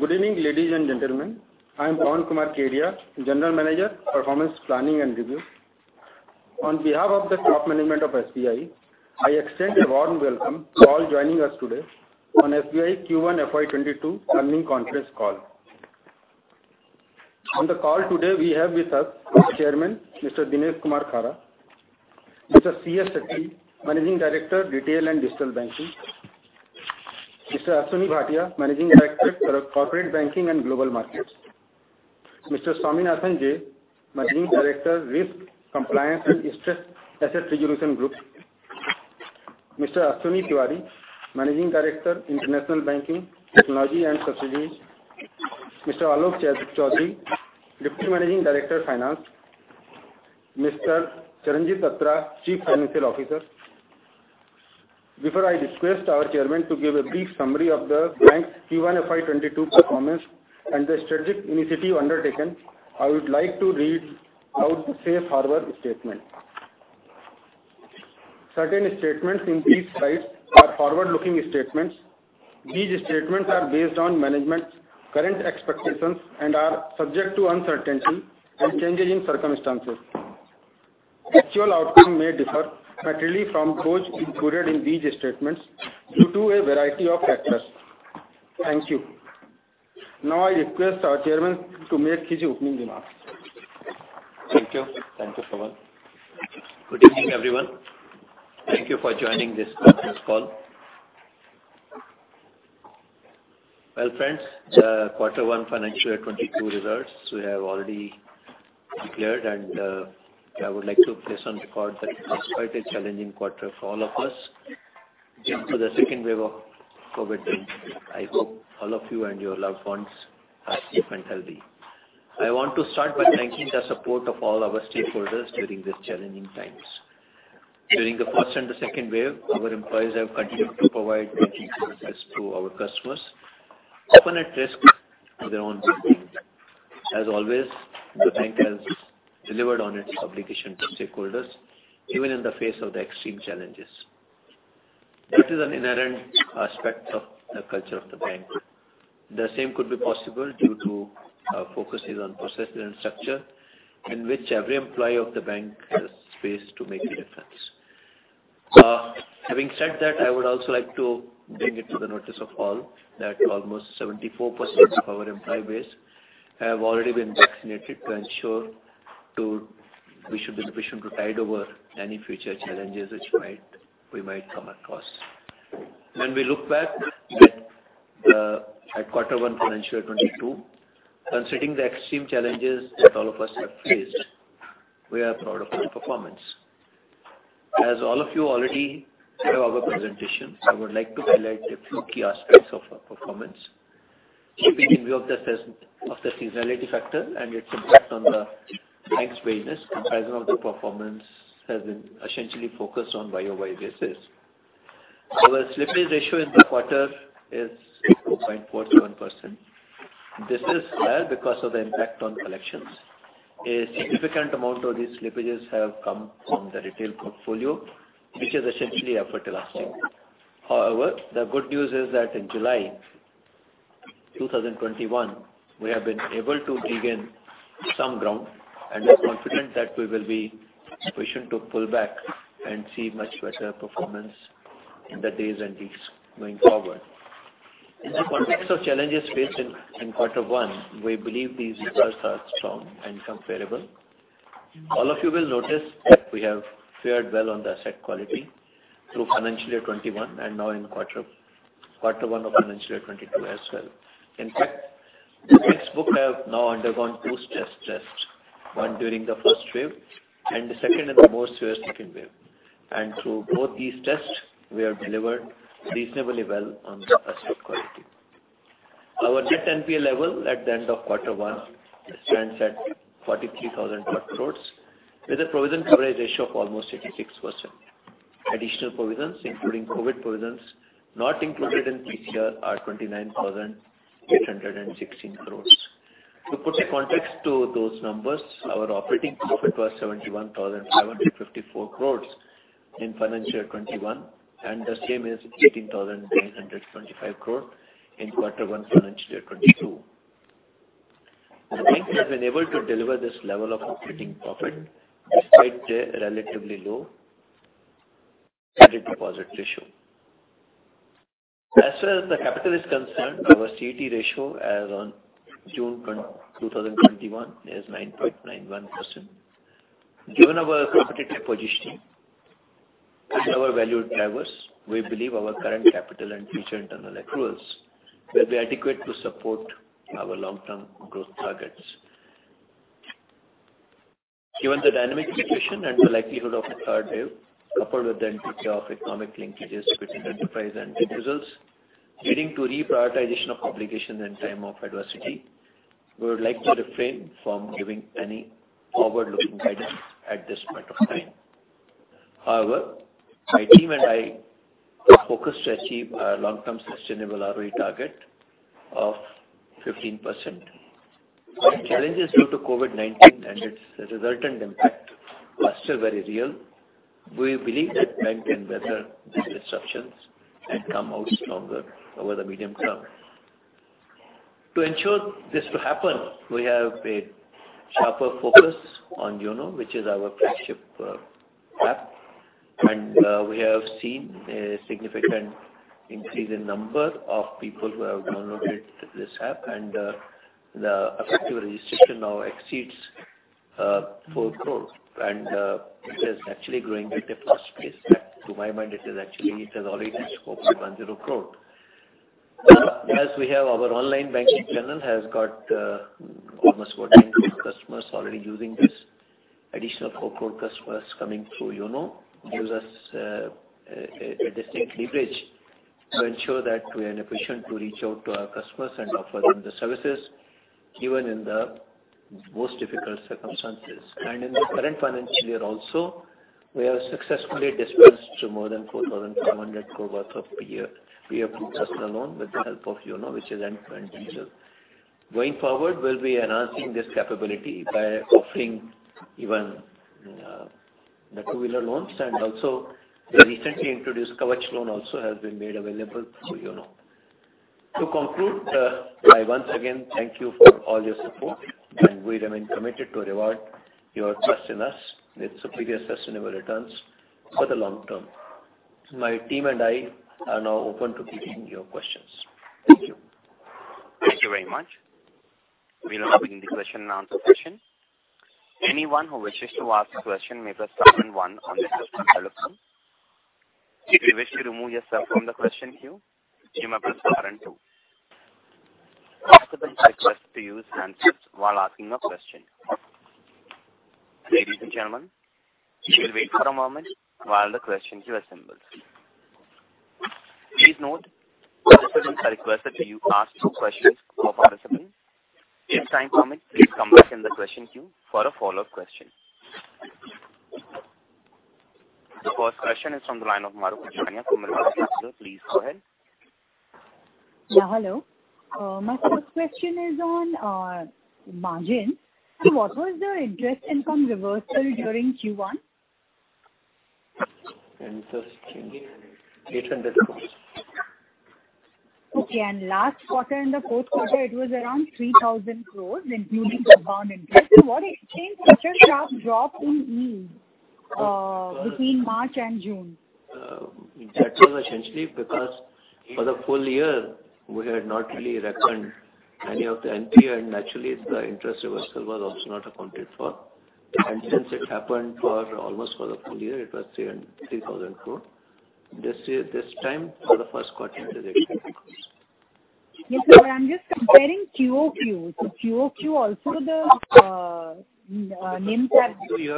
Good evening, ladies and gentlemen. I am Pawan Kumar Kedia, General Manager, Performance Planning and Review. On behalf of the top management of SBI, I extend a warm welcome to all joining us today on SBI Q1 FY 2022 Earnings Conference Call. On the call today, we have with us our Chairman, Mr. Dinesh Kumar Khara; Mr. CS Setty, Managing Director, Retail and Digital Banking; Mr. Ashwani Bhatia, Managing Director for Corporate Banking and Global Markets; Mr. Swaminathan J, Managing Director, Risk, Compliance and Stressed Asset Resolution Group; Mr. Ashwini Kumar Tewari, Managing Director, International Banking, Technology and Strategies; Mr. Alok Kumar Choudhary, Deputy Managing Director Finance; Mr. Charanjit Attra, Chief Financial Officer. Before I request our Chairman to give a brief summary of the bank's Q1 FY 2022 performance and the strategic initiatives undertaken, I would like to read out the safe harbor statement. Certain statements in these slides are forward-looking statements. These statements are based on management's current expectations and are subject to uncertainty and changes in circumstances. Actual outcome may differ materially from those included in these statements due to a variety of factors. Thank you. Now I request our Chairman to make his opening remarks. Thank you. Thank you, Pawan. Good evening, everyone. Thank you for joining this conference call. Well, friends, the quarter one financial year 2022 results we have already declared, and I would like to place on record that it was quite a challenging quarter for all of us due to the second wave of COVID-19. I hope all of you and your loved ones are safe and healthy. I want to start by thanking the support of all our stakeholders during these challenging times. During the first and the second wave, our employees have continued to provide banking services to our customers, often at risk to their own well-being. As always, the bank has delivered on its obligation to stakeholders, even in the face of the extreme challenges, which is an inherent aspect of the culture of the bank. The same could be possible due to our focuses on processes and structure in which every employee of the bank has space to make a difference. Having said that, I would also like to bring it to the notice of all that almost 74% of our employee base have already been vaccinated to ensure we should be in a position to tide over any future challenges which we might come across. When we look back at quarter one financial year 2022, considering the extreme challenges that all of us have faced, we are proud of our performance. As all of you already have our presentation, I would like to highlight a few key aspects of our performance. Keeping in view of the seasonality factor and its impact on the bank's business, comparison of the performance has been essentially focused on YOY basis. Our slippage ratio in the quarter is 4.41%. This is higher because of the impact on collections. A significant amount of these slippages have come from the retail portfolio, which is essentially effort lasting. The good news is that in July 2021, we have been able to regain some ground and are confident that we will be positioned to pull back and see much better performance in the days and weeks going forward. In the context of challenges faced in quarter one, we believe these results are strong and comparable. All of you will notice that we have fared well on the asset quality through financial year 2021 and now in quarter one of financial year 2022 as well. The books have now undergone two stress tests, one during the first wave and the second in the more serious second wave. Through both these tests, we have delivered reasonably well on the asset quality. Our net NPL level at the end of Q1 stands at 43,000 crores with a provision coverage ratio of almost 66%. Additional provisions, including COVID provisions, not included in this year, are 29,816 crores. To put a context to those numbers, our operating profit was 71,754 crores in FY 2021, and the same is 18,925 crore in Q1 FY 2022. The bank has been able to deliver this level of operating profit despite the relatively low credit deposit ratio. As far as the capital is concerned, our CET ratio as on June 2021 is 9.91%. Given our competitive positioning and our value drivers, we believe our current capital and future internal accruals will be adequate to support our long-term growth targets. Given the dynamic situation and the likelihood of a third wave, coupled with the intricacy of economic linkages between enterprise and individuals, leading to reprioritization of obligations in time of adversity, we would like to refrain from giving any forward-looking guidance at this point of time. However, my team and I are focused to achieve our long-term sustainable ROE target of 15%. Challenges due to COVID-19 and its resultant impact are still very real. We believe that Bank can weather these disruptions and come out stronger over the medium term. To ensure this to happen, we have a sharper focus on YONO, which is our flagship app. We have seen a significant increase in number of people who have downloaded this app, the effective registration now exceeds 4 crore. It is actually growing at a fast pace. To my mind, it has already scoped at 10 crore. Our online banking channel has got almost 14 million customers already using this. Additional INR 4 crore customers coming through YONO gives us a distinct leverage to ensure that we are in a position to reach out to our customers and offer them the services, even in the most difficult circumstances. In the current financial year also, we have successfully dispensed to more than 4,500 crore worth of peer-to-peer personal loan with the help of YONO, which is end-to-end digital. Going forward, we'll be enhancing this capability by offering even the two-wheeler loans, and also the recently introduced Kavach loan also has been made available through YONO. To conclude, I once again thank you for all your support, and we remain committed to reward your trust in us with superior sustainable returns for the long term. My team and I are now open to taking your questions. Thank you. Thank you very much. We are now beginning the question-and-answer session. Anyone who wishes to ask a question may press star and one on their telephone. If you wish to remove yourself from the question queue, you may press star and two. Participants are requested to use handsets while asking a question. Ladies and gentlemen, we will wait for a moment while the question queue assembles. Please note, participants are requested to ask two questions per participant. If time permits, please come back in the question queue for a follow-up question. The first question is from the line of Mahrukh Adajania from Elara Capital. Please go ahead. Yeah, hello. My first question is on margin. What was the interest income reversal during Q1? Interesting. INR 300 crores. Last quarter, in the fourth quarter, it was around 3,000 crores, including the bond interest. What changed such a sharp drop in yield between March and June? That was essentially because for the full-year, we had not really reckoned any of the NPA and naturally, the interest reversal was also not accounted for. Since it happened for almost for the full-year, it was 3,000 crore. This time for the first quarter, it is 800 crore. Yes, sir. I'm just comparing QOQ. QOQ also the names have. You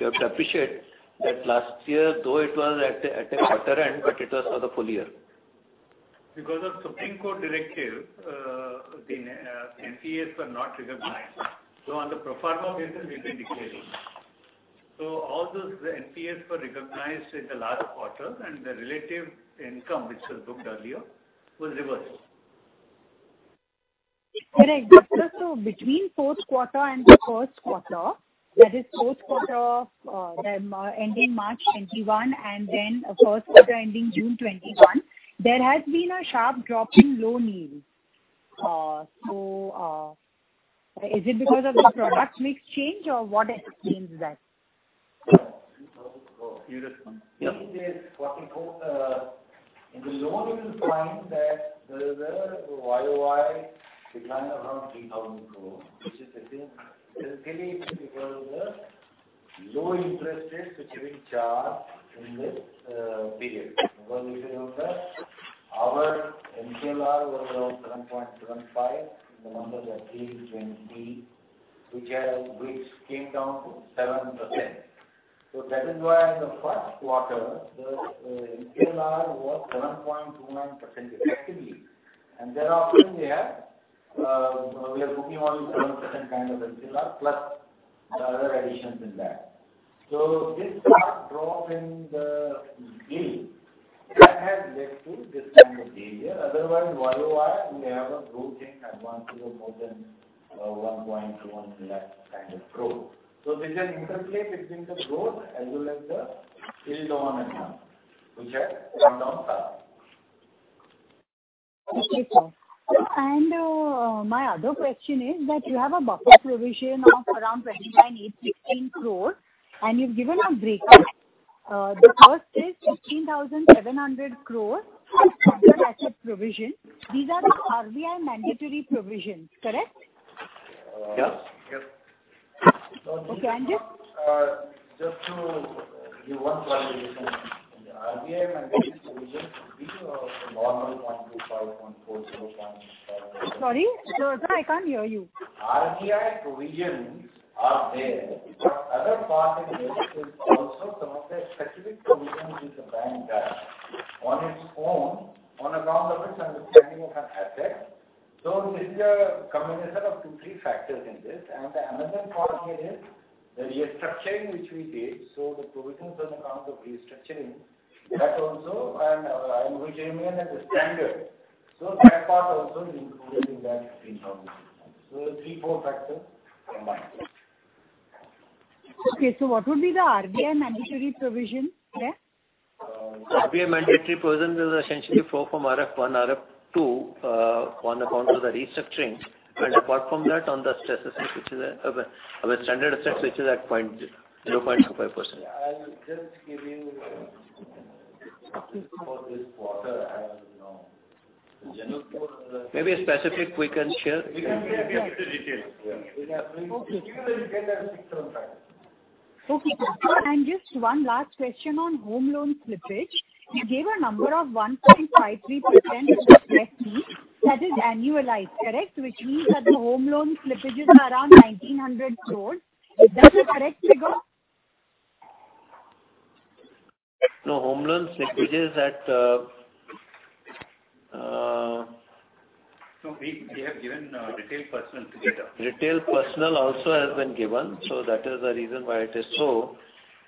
have to appreciate that last year, though it was at a quarter end, but it was for the full-year. Because of Supreme Court directive, the NPAs were not recognized. On the pro forma basis, we've been declaring. All those NPAs were recognized in the last quarter, and the relative income which was booked earlier was reversed. Correct. Sir, between fourth quarter and the first quarter, that is fourth quarter ending March 2021, and then first quarter ending June 2021, there has been a sharp drop in low yield. Is it because of the product mix change or what explains that? You respond. In the loan, you will find that there is a YOY decline of around INR 3,000 crore, which is again, mainly because of the low interest rates which we charge in this period. Remember, if you note that our MCLR was around 7.75% in the month of April 2020, which came down to 7%. That is why in the first quarter, the MCLR was 7.29% effectively. Thereafter, we are booking only 7% kind of MCLR plus other additions in that. This sharp drop in the yield, that has led to this kind of behavior. Otherwise, YOY, we have a growth in advances of more than 1.1 lakh kind of growth. There's an interplay between the growth as well as the yield on account, which has come down sharp. Okay, sir. My other question is that you have a buffer provision of around 29,815 crores, and you've given a breakup. The first is 15,700 crores asset provision. These are the RBI mandatory provisions, correct? Yes. Yes. Okay. Just to give 1 clarification. The RBI mandatory provisions, these are the normal 0.25%, 0.40%, 0.50%. Sorry. Sir, I can't hear you. RBI provisions are there, other part in this is also some of the specific provisions which the bank does on its own on account of its understanding of an asset. This is a combination of two, three factors in this, the another part here is the restructuring which we did, the provisions on account of restructuring, that also and which remain at the standard. That part also is included in that INR 15,600. Three, four factors combined. Okay. What would be the RBI mandatory provision there? RBA mandatory provision will essentially flow from RF 1, RF 2, on account of the restructuring. Apart from that, on the standard assets, which is at 0.25%. I'll just give you for this quarter as you know. Maybe specific we can share. We can share details. We will get that fixed from CA. Okay. Just one last question on home loan slippage. You gave a number of 1.53% in the press meet. That is annualized, correct? Which means that the home loan slippage is around 1,900 crores. Is that the correct figure? No home loan slippage is at. No, we have given retail personal slippage. Retail personal also has been given, so that is the reason why it is so.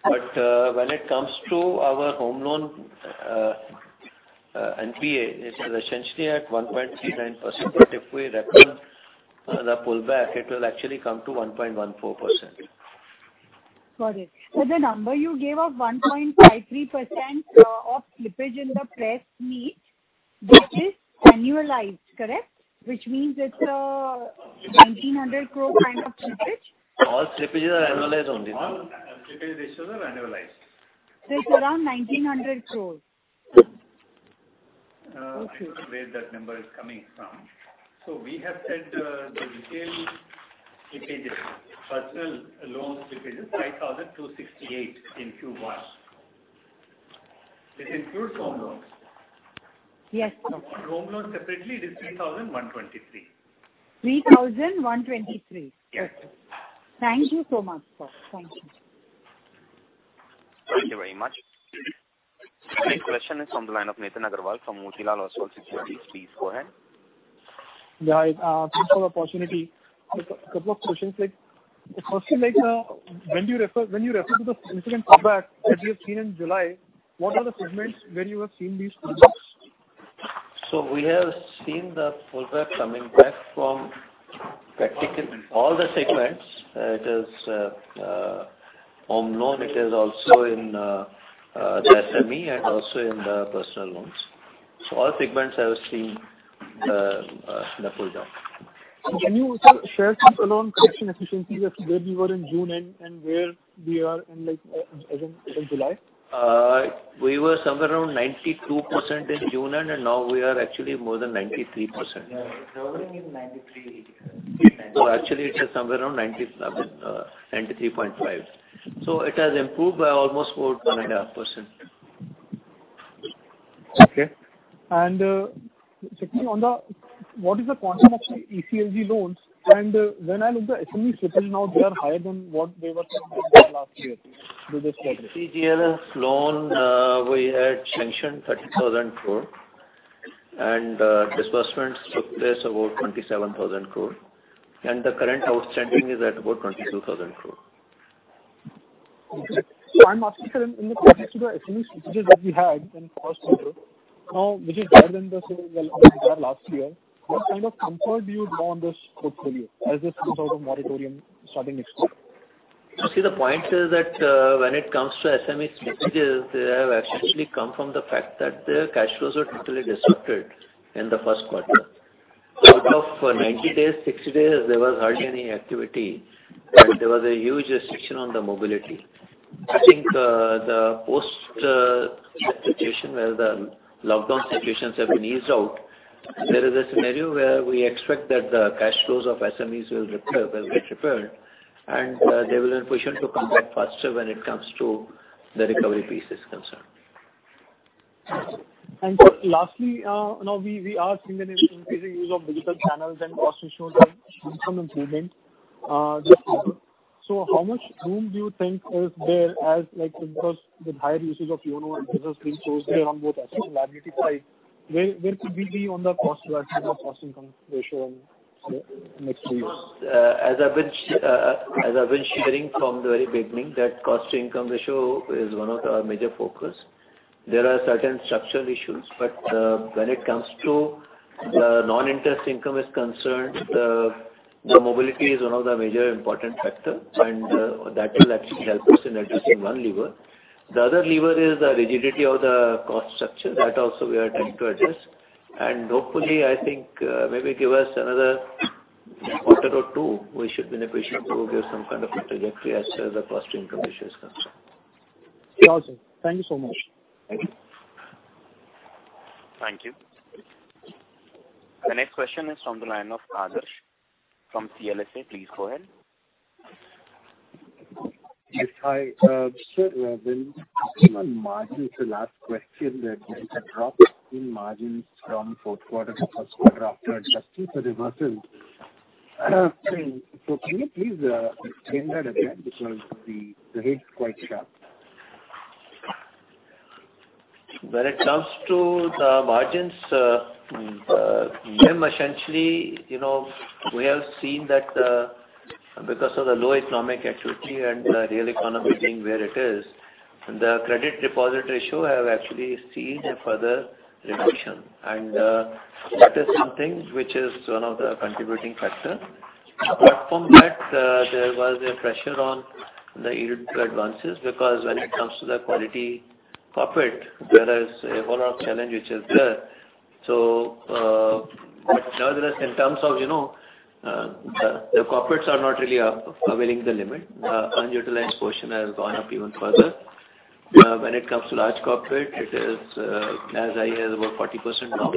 When it comes to our home loan NPA, it is essentially at 1.39%. If we reckon the pullback, it will actually come to 1.14%. Got it. The number you gave of 1.53% of slippage in the press meet, this is annualized, correct? Which means it's a 1,900 crore kind of slippage? All slippages are annualized only. All slippage ratios are annualized. It is around INR 1,900 crores. I'm not sure where that number is coming from. We have said the retail personal loans slippage is 5,268 in Q1. This includes home loans. Yes. Home loans separately it is 3,123. 3,123. Yes. Thank you so much, sir. Thank you. Thank you very much. Next question is on the line of Nitin Aggarwal from Motilal Oswal Securities. Please go ahead. Yeah. Thanks for the opportunity. Couple of questions. Firstly, when you refer to the significant pullback that you have seen in July, what are the segments where you have seen these pullbacks? We have seen the pullback coming back from practically all the segments. It is home loan, it is also in the SME and also in the personal loans. All segments have seen the pullback. Can you also share some around collection efficiency as where we were in June end and where we are as in July? We were somewhere around 92% in June end, now we are actually more than 93%. Recovering in 93. Actually it is somewhere around 93.5. It has improved by almost 4.5%. Okay. Secondly, what is the quantum of the ECLG loans? When I look at the SME slippage now they are higher than what they were last year through this quarter. ECLGS loan, we had sanctioned 30,000 crore and disbursements took place about 27,000 crore and the current outstanding is at about 22,000 crore. Okay. I'm asking, sir, in the context to the SME slippages that we had in first quarter, now this is higher than the same as we had last year. What kind of comfort do you draw on this portfolio as this sort of moratorium starting next quarter? You see, the point is that when it comes to SME slippages, they have actually come from the fact that their cash flows were totally disrupted in the first quarter. Out of 90 days, 60 days, there was hardly any activity, and there was a huge restriction on the mobility. I think the post situation where the lockdown situations have been eased out, there is a scenario where we expect that the cash flows of SMEs will get repaired, and they will be in a position to come back faster when it comes to the recovery piece is concerned. Sir, lastly, now we are seeing an increasing use of digital channels and cost income ratio has shown some improvement. How much room do you think is there as like because with higher usage of YONO and business being chose there on both asset and liability side, where could we be on the cost side, cost income ratio in next few years? As I've been sharing from the very beginning, that cost-to-income ratio is one of our major focus. There are certain structural issues, but when it comes to the non-interest income is concerned, the mobility is one of the major important factor, and that will actually help us in addressing one lever. The other lever is the rigidity of the cost structure. Hopefully, I think maybe give us another quarter or two, we should be in a position to give some kind of a trajectory as far as the cost-to-income ratio is concerned. Awesome. Thank you so much. Thank you. Thank you. The next question is from the line of Adarsh from CLSA. Please go ahead. Yes. Hi, sir. Just on margins, the last question that it had dropped in margins from fourth quarter to first quarter after adjusting for reversals. Can you please explain that again, because the hit is quite sharp. When it comes to the margins, NIM essentially, we have seen that because of the low economic activity and the real economy being where it is, the credit deposit ratio have actually seen a further reduction. That is something which is one of the contributing factor. Apart from that, there was a pressure on the yield advances because when it comes to the quality corporate, there is a rollout challenge which is there. Nevertheless, in terms of the corporates are not really availing the limit. Unutilized portion has gone up even further. When it comes to large corporate, it is as high as about 40% now.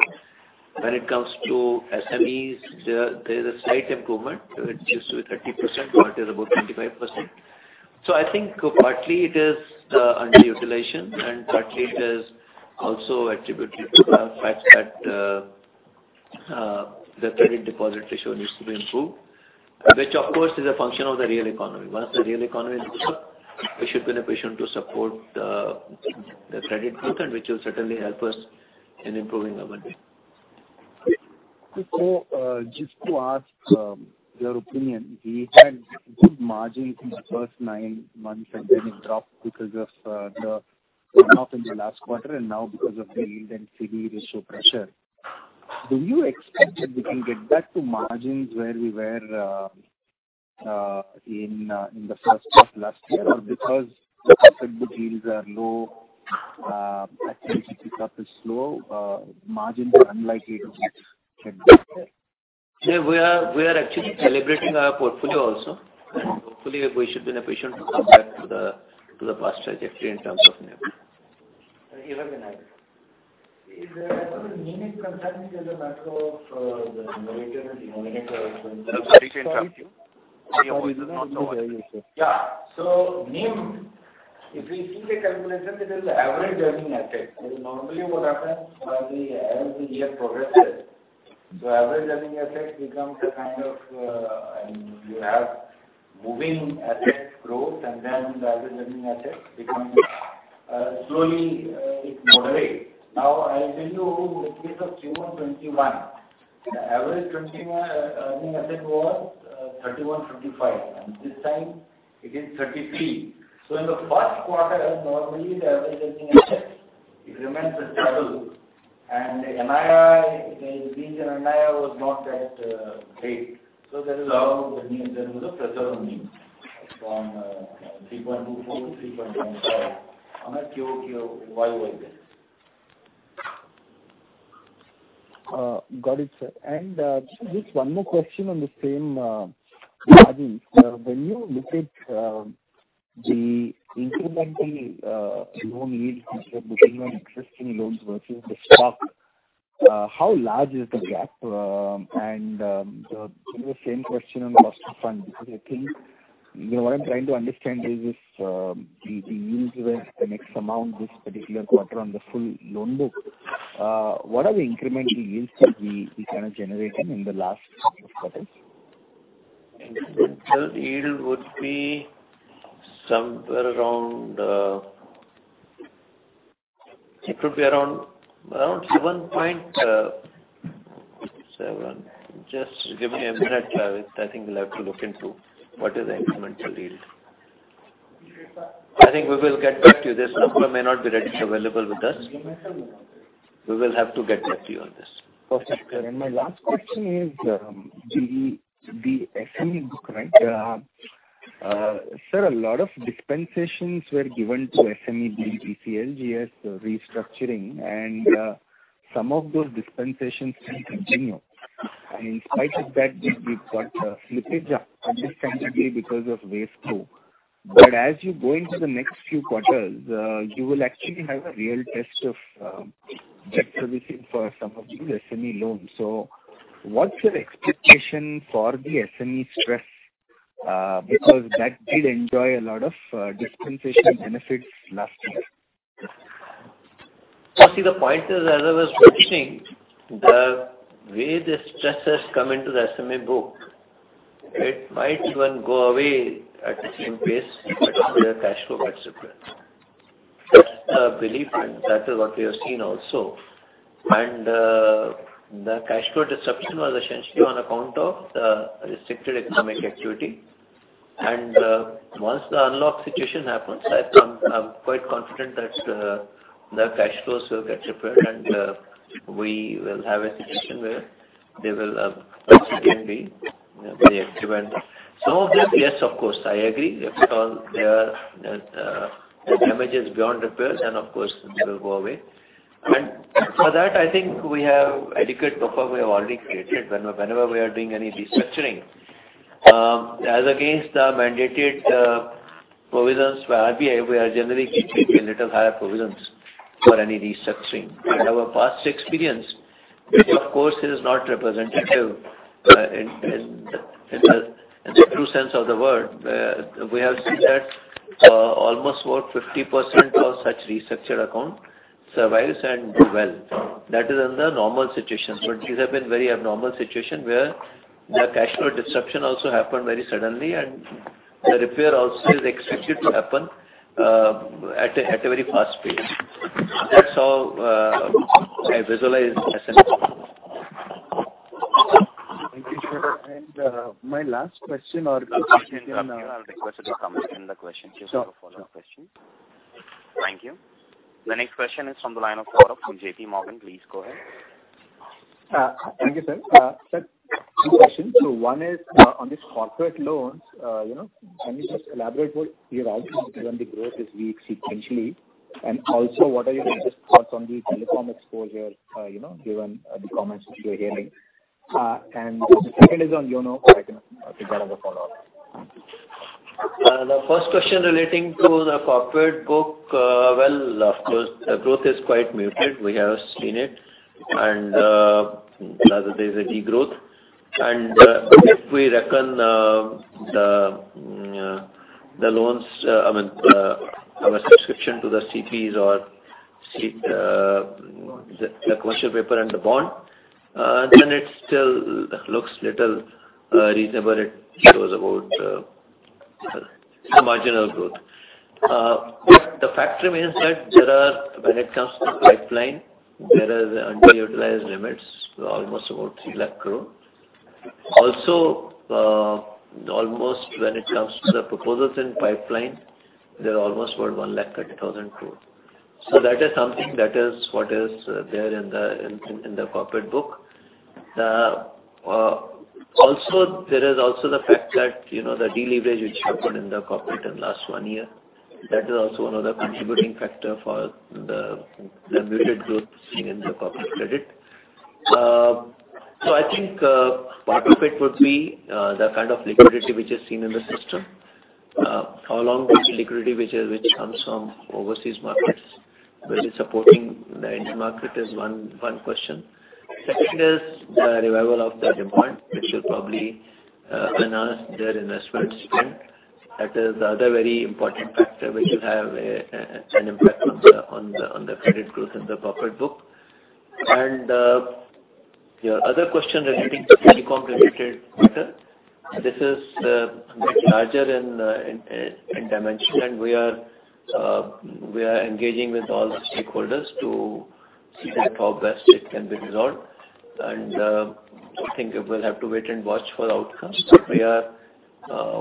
When it comes to SMEs, there is a slight improvement. It used to be 30%, now it is about 25%. I think partly it is underutilization, and partly it is also attributable to the fact that the credit deposit ratio needs to be improved, which of course is a function of the real economy. Once the real economy improves up, we should be in a position to support the credit content, which will certainly help us in improving our margin. Just to ask your opinion, we had good margin in the first nine months and then it dropped because of the runoff in the last quarter and now because of the yield and CD ratio pressure. Do you expect that we can get back to margins where we were in the first half last year? Because asset book yields are low, activity pick up is slow, margins are unlikely to get back there. No, we are actually celebrating our portfolio also, and hopefully we should be in a position to come back to the past trajectory in terms of NIM. As far as NIM is concerned, there's a matter of the numerator and denominator. Sorry, can't hear you. Yeah. NIM, if we see the calculation, it is average earning asset. Normally what happens, as the year progresses, the average earning asset becomes a kind of you have moving asset growth and then the average earning asset slowly it moderates. Now, I'll tell you in case of Q1 2021, the average 2021 earning asset was 3,135 and this time it is 33. In the first quarter, as normally the average earning asset, it remains settle and the NII, being an NII was not that great. There is a pressure on NIM from 3.24% to 3.15%. Amit, QOQ, why was this? Got it, sir. Just one more question on the same margins. When you look at the incremental loan yield which you are booking on existing loans versus the stock, how large is the gap? The same question on cost of fund because I think what I'm trying to understand is if the yields were the next amount this particular quarter on the full loan book, what are the incremental yields that we kind of generated in the last quarters? Incremental yield would be somewhere around, it could be around 7.7%. Just give me a minute. I think we'll have to look into what is the incremental yield. I think we will get back to you. This number may not be readily available with us. We will have to get back to you on this. My last question is the SME book. Sir, a lot of dispensations were given to SME being ECLGS restructuring and some of those dispensations still continue. In spite of that, we've got slippage up understandably because of wave 2. As you go into the next few quarters, you will actually have a real test of debt servicing for some of these SME loans. What's your expectation for the SME stress because that did enjoy a lot of dispensation benefits last year? See, the point is, as I was mentioning, the way the stress has come into the SME book, it might even go away at the same pace at which their cash flow gets repaired. That's our belief and that is what we have seen also. The cash flow disruption was essentially on account of the restricted economic activity. Once the unlock situation happens, I'm quite confident that the cash flows will get repaired and we will have a situation where they will once again be very active. Some of them, yes, of course, I agree if at all their damage is beyond repairs then of course it will go away. For that, I think we have adequate buffer we have already created. Whenever we are doing any restructuring as against the mandated provisions by RBI, we are generally keeping a little higher provisions for any restructuring. In our past experience, which of course, is not representative in the true sense of the word, we have seen that almost about 50% of such restructured account survives and do well. That is in the normal situation. These have been very abnormal situation where the cash flow disruption also happened very suddenly and the repair also is expected to happen at a very fast pace. That's how I visualize SME. Thank you, sir. My last question. I'll request you to come with the question. Just a follow-up question. Thank you. The next question is from the line of Gaurav from JPMorgan. Please go ahead. Thank you, sir. Sir, two questions. One is on this corporate loans. Can you just elaborate what you have given the growth this week sequentially, and also what are your thoughts on the telecom exposure given the comments which we are hearing? The second is on YONO. I can take that as a follow-up. The first question relating to the corporate book. Well, of course, growth is quite muted. We have seen it and there's a degrowth. If we reckon the loans, I mean, our subscription to the CPs or the commercial paper and the bond then it still looks a little reasonable. It shows about some marginal growth. The fact remains that when it comes to pipeline, there are underutilized limits almost about 3 lakh crore. Almost when it comes to the proposals in pipeline, they're almost worth 1 lakh 30,000 crore. That is something that is what is there in the corporate book. There is also the fact that the deleverage which happened in the corporate in last one year, that is also another contributing factor for the muted growth seen in the corporate credit. I think part of it would be the kind of liquidity which is seen in the system. How long this liquidity which comes from overseas markets, whether supporting the Indian market is one question. Second is the revival of the demand, which will probably enhance their investment spend. That is the other very important factor which will have an impact on the credit growth in the corporate book. Your other question relating to telecom related matter. This is bit larger in dimension and we are engaging with all the stakeholders to see that how best it can be resolved and I think we'll have to wait and watch for outcomes. We are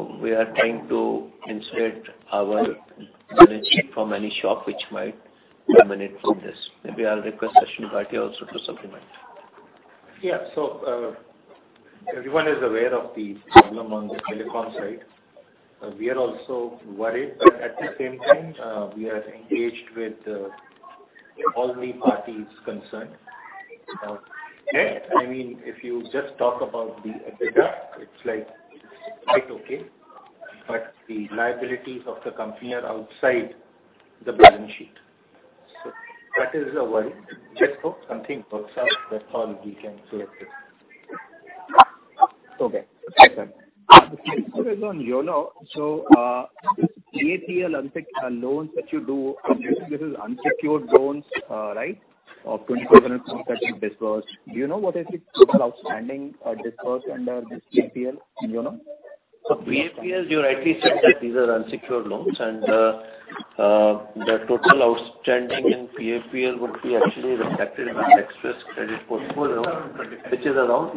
trying to insulate our balance sheet from any shock which might emanate from this. Maybe I'll request Ashwani Bhatia also to supplement. Yeah. Everyone is aware of the problem on the telecom side. We are also worried but at the same time we are engaged with all the parties concerned. I mean, if you just talk about the EBITDA, it's quite okay. The liabilities of the company are outside the balance sheet. That is a worry. Just hope something works out. That's all we can say at this point. Okay. Thank you, sir. The second is on YONO so PAPL loans that you do, I am guessing this is unsecured loans of 27 and INR 37 dispersed. Do you know what is the total outstanding dispersed under this PAPL in YONO? PAPL, you rightly said that these are unsecured loans, and the total outstanding in PAPL would be actually reflected in the Xpress Credit portfolio, which is around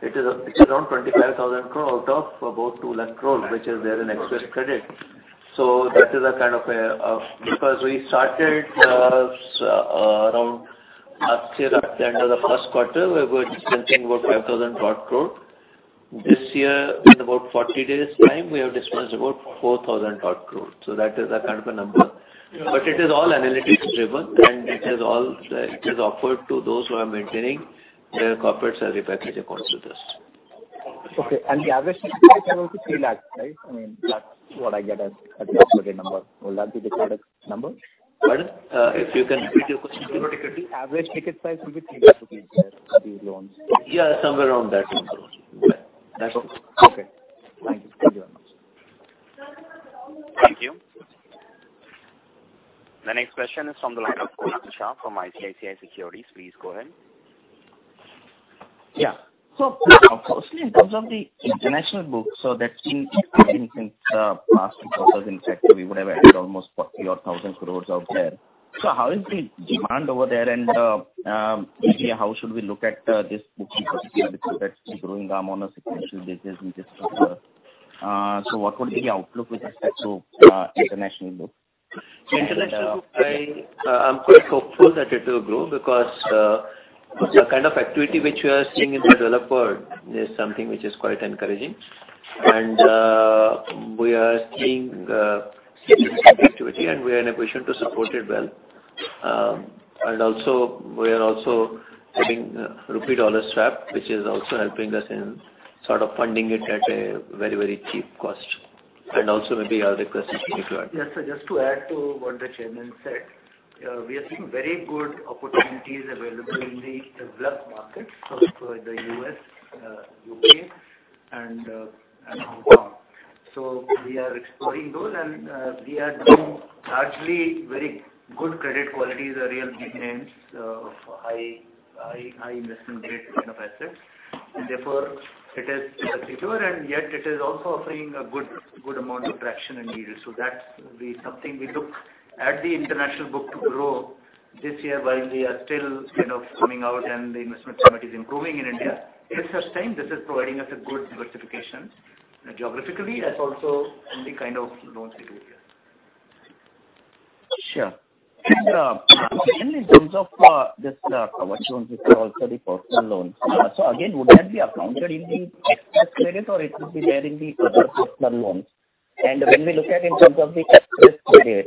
25,000 crore out of about 2 lakh crore, which is there in Xpress Credit. We started around last year at the end of the first quarter, we were dispensing about 5,000 crore. This year in about 40 days time, we have dispersed about 4,000 crore. That is a kind of a number. It is all analytics driven and it is offered to those who are maintaining their corporate salary package accounts with us. Okay. The average ticket size will be 3 lakh, right? I mean that's what I get as approximate number. Would that be the correct number? Pardon. If you can repeat your question. Average ticket size will be INR 3 lakh for these loans. Yeah, somewhere around that number. That's okay. Thank you very much. Thank you. The next question is from the line of Kunal Shah from ICICI Securities. Please go ahead. Yeah. Firstly in terms of the international book that team I think since past two quarters in fact we would have added almost 40,000 crores out there. How is the demand over there and how should we look at this book in particular because that's growing on a sequential basis in this quarter. What would be the outlook with respect to international book? International book I'm quite hopeful that it will grow because the kind of activity which we are seeing in the developer is something which is quite encouraging and we are seeing significant activity and we are in a position to support it well. Also, we are also having rupee dollar swap, which is also helping us in sort of funding it at a very cheap cost. Also, maybe I'll request Ashwani to add. Yes, sir. Just to add to what the Chairman said we are seeing very good opportunities available in the developed markets of the U.S., U.K. and Hong Kong. We are exploring those and we are doing largely very good credit qualities, real maintenance of high investment grade kind of assets. Therefore, it is secure and yet it is also offering a good amount of traction and yield. That will be something we look at the international book to grow this year while we are still coming out and the investment climate is improving in India. It's sustained. This is providing us a good diversification geographically as also in the kind of loans we do here. Sure. Again, in terms of this Kavach loans, which are also the personal loans. Again, would that be accounted in the Xpress Credit or it would be there in the other personal loans? When we look at in terms of the Xpress Credit, compared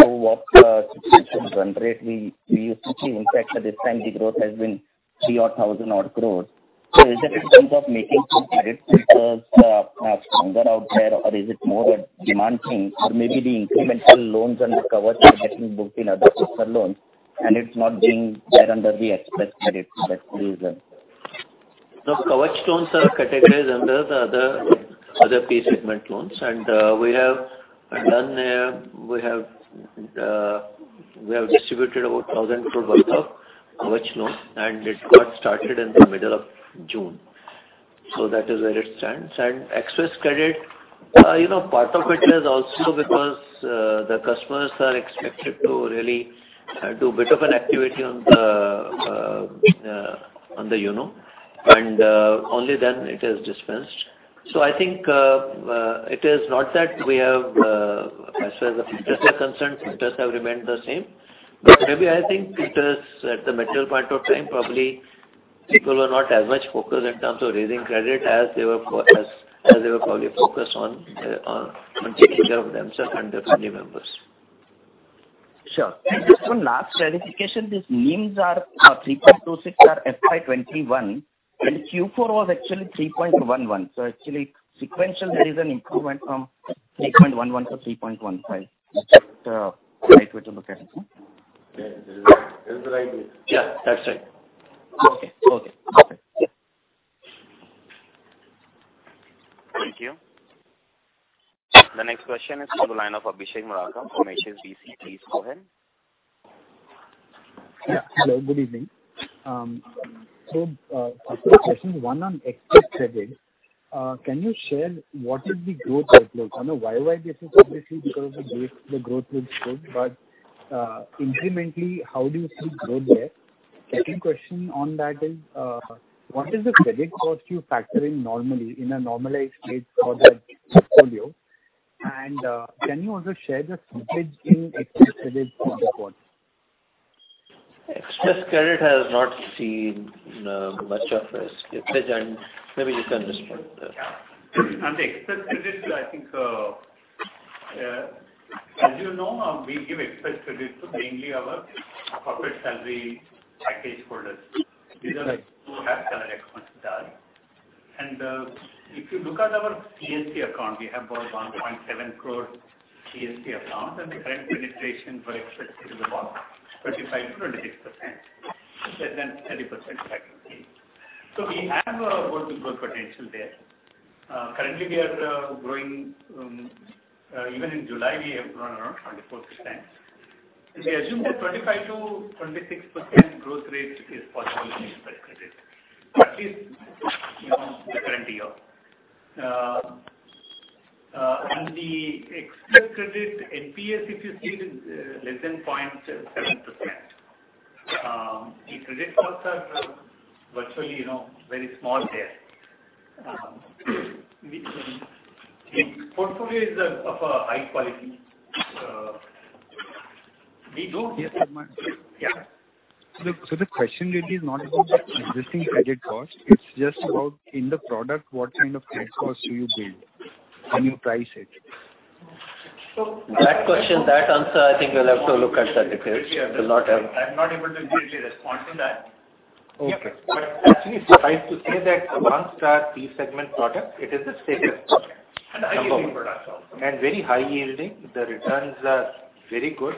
to what situation run rate we used to see, in fact, at this time the growth has been 3,000 crore. Is it in terms of making some credits because they are stronger out there or is it more a demand thing or maybe the incremental loans under Kavach are getting booked in other personal loans and it's not being there under the Xpress Credit for that reason. No, Kavach loans are categorized under the other P-segment loans. We have distributed about 1,000 crore worth of Kavach loans and it got started in the middle of June. That is where it stands. Xpress Credit, part of it is also because the customers are expected to really do a bit of an activity on the YONO and only then it is dispensed. I think, it is not that we have, as far as the filters are concerned, filters have remained the same. Maybe I think filters at the material point of time, probably people were not as much focused in terms of raising credit as they were probably focused on taking care of themselves and their family members. Sure. Just one last clarification. These NIMs are 3.26% are FY 2021 and Q4 was actually 3.11%. Actually sequentially there is an improvement from 3.11% to 3.15%. That's the right way to look at it. Yes, that is the right way. Yeah, that's right. Okay. Thank you. The next question is from the line of Abhishek Murarka from HSBC. Please go ahead. Hello, good evening. First question, one on Xpress Credit. Can you share what is the growth outlook on a YOY basis? Obviously because of the base the growth looks good. Incrementally how do you see growth there? Second question on that is, what is the credit cost you factor in normally in a normalized state for that portfolio and can you also share the slippage in Xpress Credit in the quarter? Xpress Credit has not seen much of a slippage. Maybe you can respond to that. Yeah. On the Xpress Credit, I think, as you know, we give Xpress Credit to mainly our corporate salary package holders. These are who have salary accounts with us. If you look at our CSP account, we have about 1.7 crore CSP accounts and the current penetration for Xpress Credit is about 25%-26% less than 30%. We have a good growth potential there. Currently we are growing, even in July we have grown around 24.6%. We assume that 25%-26% growth rate is possible in Xpress Credit, at least in the current year. The Xpress Credit NPA, if you see, it is less than 0.7%. The credit costs are virtually very small there. The portfolio is of a high quality. The question really is not about the existing credit cost, it's just about in the product, what kind of credit cost do you build when you price it? That question, that answer, I think we'll have to look at the details. I do not have. I'm not able to immediately respond to that. Okay. Actually suffice to say that amongst our fee segment product, it is the safest product. A high yielding product also. Very high yielding. The returns are very good.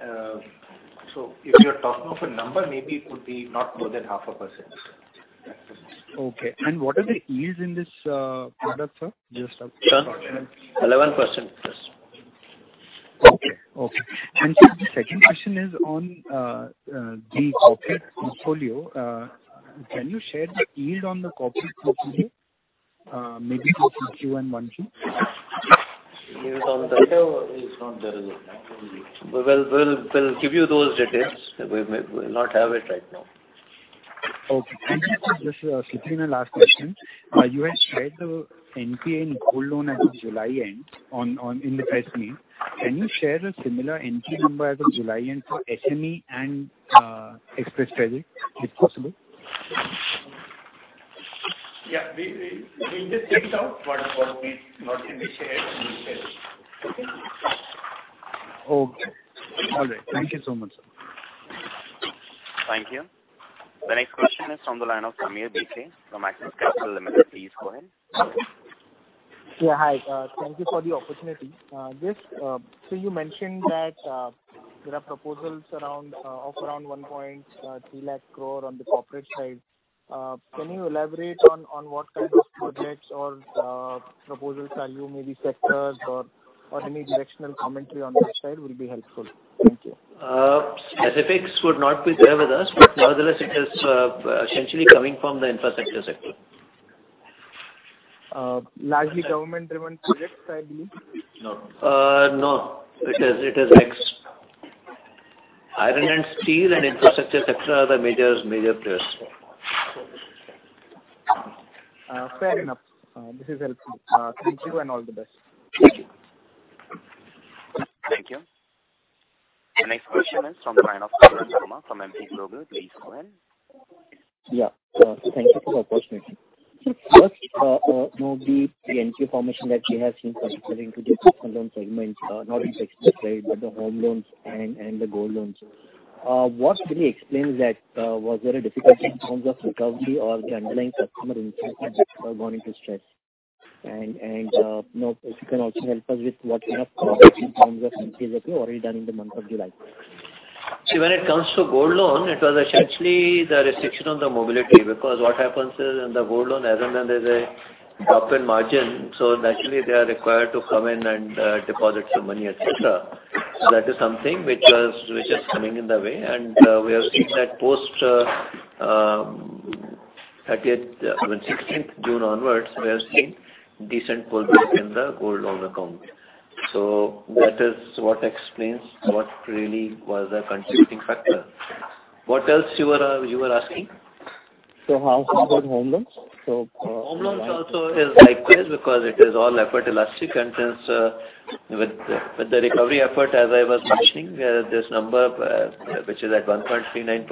If you are talking of a number, maybe it could be not more than half a percent. Okay. What are the yields in this product, sir? Just out of curiosity. Sir? 11%+. Okay. Sir, the second question is on the corporate portfolio. Can you share the yield on the corporate portfolio, maybe both in Q and 1 Q? Is it on the data or it's not there as of now? We'll give you those details. We may not have it right now. Okay. Just a final last question. You had shared the NPA in core loan as of July end in the press meet. Can you share a similar NPA number as of July end for SME and Xpress Credit, if possible? Yeah, we'll just check it out. What we not initially shared, we'll share. Okay. All right. Thank you so much, sir. Thank you. The next question is from the line of Sameer Bhise from Axis Capital Limited. Please go ahead. Yeah, hi. Thank you for the opportunity. You mentioned that there are proposals of around 1.3 lakh crore on the corporate side. Can you elaborate on what kind of projects or proposals value, maybe sectors or any directional commentary on that side will be helpful. Thank you. Specifics would not be shared with us, nevertheless it is essentially coming from the infrastructure sector. Largely government-driven projects, I believe. No. It is mixed. Iron and steel and infrastructure, et cetera, are the major players. Fair enough. This is helpful. Thank you and all the best. Thank you. Thank you. The next question is from the line of Anand Dama from Emkay Global. Please go ahead. Yeah. Thank you for the opportunity. The NPA information that you have seen, particularly into the personal loan segment, not in tech space, but the home loans and the gold loans. What really explains that? Was there a difficulty in terms of recovery or the underlying customer income gone into stress? If you can also help us with what kind of actions in terms of NPA have you already done in the month of July? When it comes to gold loan, it was essentially the restriction on the mobility because what happens is, in the gold loan, as and when there's a drop in margin, so naturally they are required to come in and deposit some money, et cetera. That is something which is coming in the way. We have seen that post 16th June onwards, we are seeing decent pullback in the gold loan account. That is what explains what really was a contributing factor. What else you were asking? How is it with home loans? Home loans also is likewise because it is all effort elastic and since with the recovery effort, as I was mentioning, this number which is at 1.39%,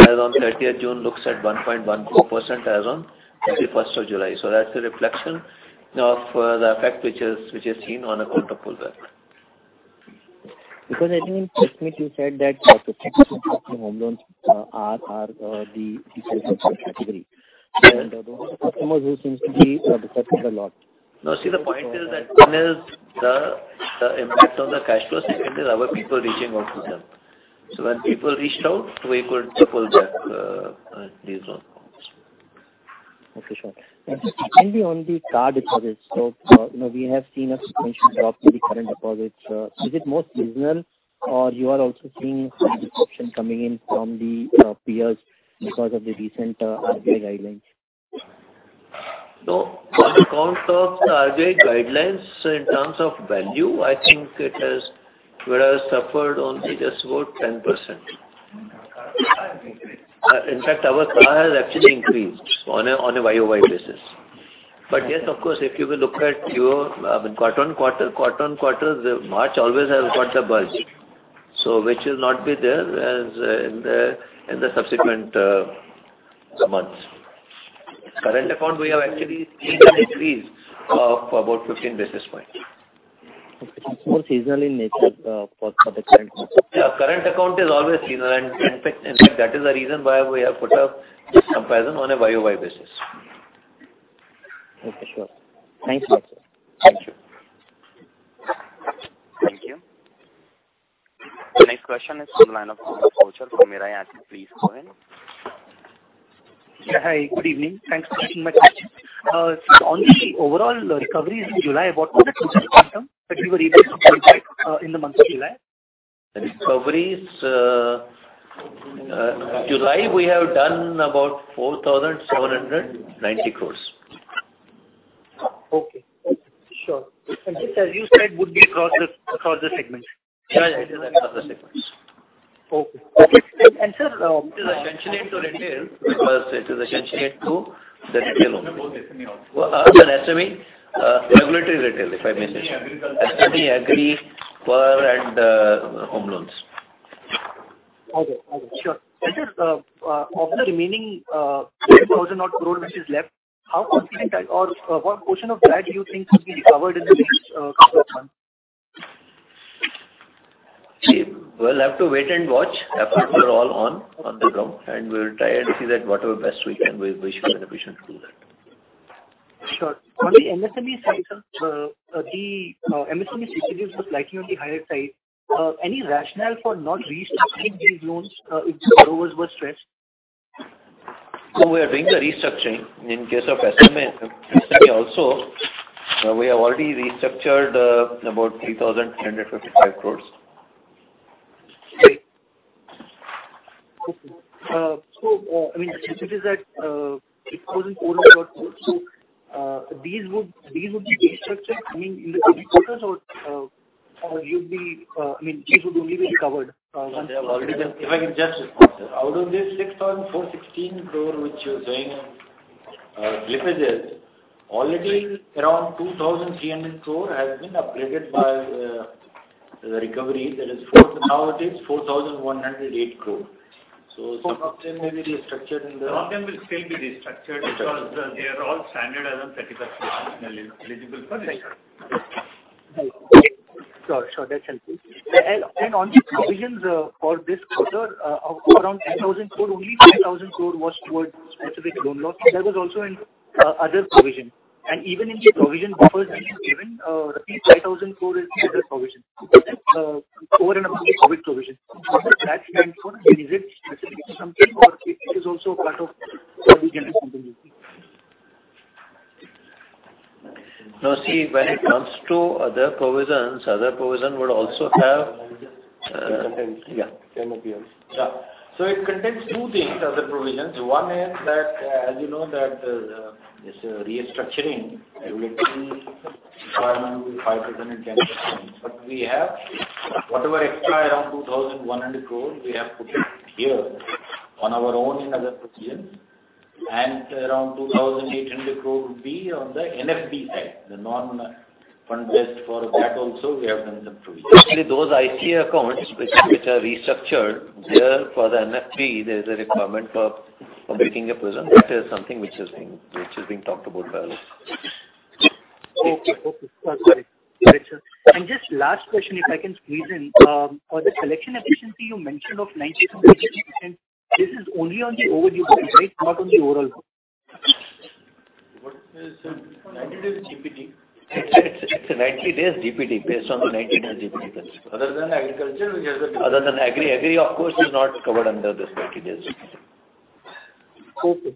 as on 30th June looks at 1.12% as on 31st of July. That's a reflection of the effect which is seen on account of pullback. I think last meet you said that home loans are the default category. Those are the customers who seem to be affected a lot. No, see, the point is that one is the impact on the cash flow, second is our people reaching out to them. When people reached out, we could pull back these loans. Okay, sure. Just finally on the current deposits. We have seen a sequential drop in the current deposits. Is it more seasonal or you are also seeing some disruption coming in from the peers because of the recent RBI guidelines? No. On account of the RBI guidelines in terms of value, I think it has suffered only just about 10%. CARhas increased. In fact, our CAR has actually increased on a YOY basis. Yes, of course, if you will look at quarter-on-quarter, March always has got the buzz, which will not be there in the subsequent months. Current account, we have actually seen an increase of about 15 basis points. It's more seasonal in nature for the current account. Yeah. Current account is always seasonal and in fact, that is the reason why we have put a comparison on a YOY basis. Okay, sure. Thanks a lot, sir. Thank you. Thank you. The next question is from the line of Gaurav Kochar from Mirae Asset. Please go ahead. Yeah, hi. Good evening. Thanks for taking my question. On the overall recoveries in July, what was the total quantum that you were able to collect in the month of July? Recoveries, July we have done about 4,790 crores. Okay. Sure. This as you said would be across the segments? Yeah, it is across the segments. Okay. sir. It is essentially to retail because it is essentially to the retail loan. SME, regulatory retail, if I may say. SME agri, power and home loans. Okay. Sure. Sir, of the remaining 10,000 odd crores which is left, how confident are, or what portion of that do you think could be recovered in the next couple of months? We'll have to wait and watch. Efforts are all on the ground and we'll try and see that whatever best we can, we shall be able to do that. Sure. On the MSME side, sir, the MSME slippages was likely on the higher side. Any rationale for not restructuring these loans if the borrowers were stressed? No, we are doing the restructuring in case of SME also. We have already restructured about 3,355 crores. Okay. You said is that INR 6,400 odd crores. These would be restructured in the coming quarters or these would only be recovered? If I can just respond, sir. Out of this 6,416 crore which you're saying, slippages, already around 2,300 crore has been upgraded by the recovery that is now it is 4,108 crore. Some of them may be restructured. Some of them will still be restructured because they are all standard as on 31st March and eligible for restructure. Right. Okay. Sure. That's helpful. On the provisions for this quarter, of around 10,000 crore only 5,000 crore was towards specific loan loss. There was also other provision. Even in the provision buffers being given, at least rupees 5,000 crore is other provision. Over and above the COVID-19 provision. What is that meant for? Is it specific to something or it is also part of the general contingency? No. See, when it comes to other provisions, other provision would also. It contains 10 of yours. Yeah. It contains two things, other provisions. One is that, as you know that this restructuring requirement will be 5% and 10%, but we have whatever extra, around 2,100 crore we have put it here on our own in other provisions, and around 2,800 crore rupee would be on the NFB side, the non-fund based. For that also, we have done some provision. Actually, those ICA accounts which are restructured, there for the NFB, there is a requirement for making a provision. That is something which is being talked about by us. Just last question, if I can squeeze in. For the collection efficiency you mentioned of 90 DPD, this is only on the overdue book, right? Not on the overall book. What is 90 days DPD? It's a 90-days DPD, based on the 90-days DPD. Other than agriculture and other- Other than agri. Agri, of course, is not covered under this 90 days DPD. Okay.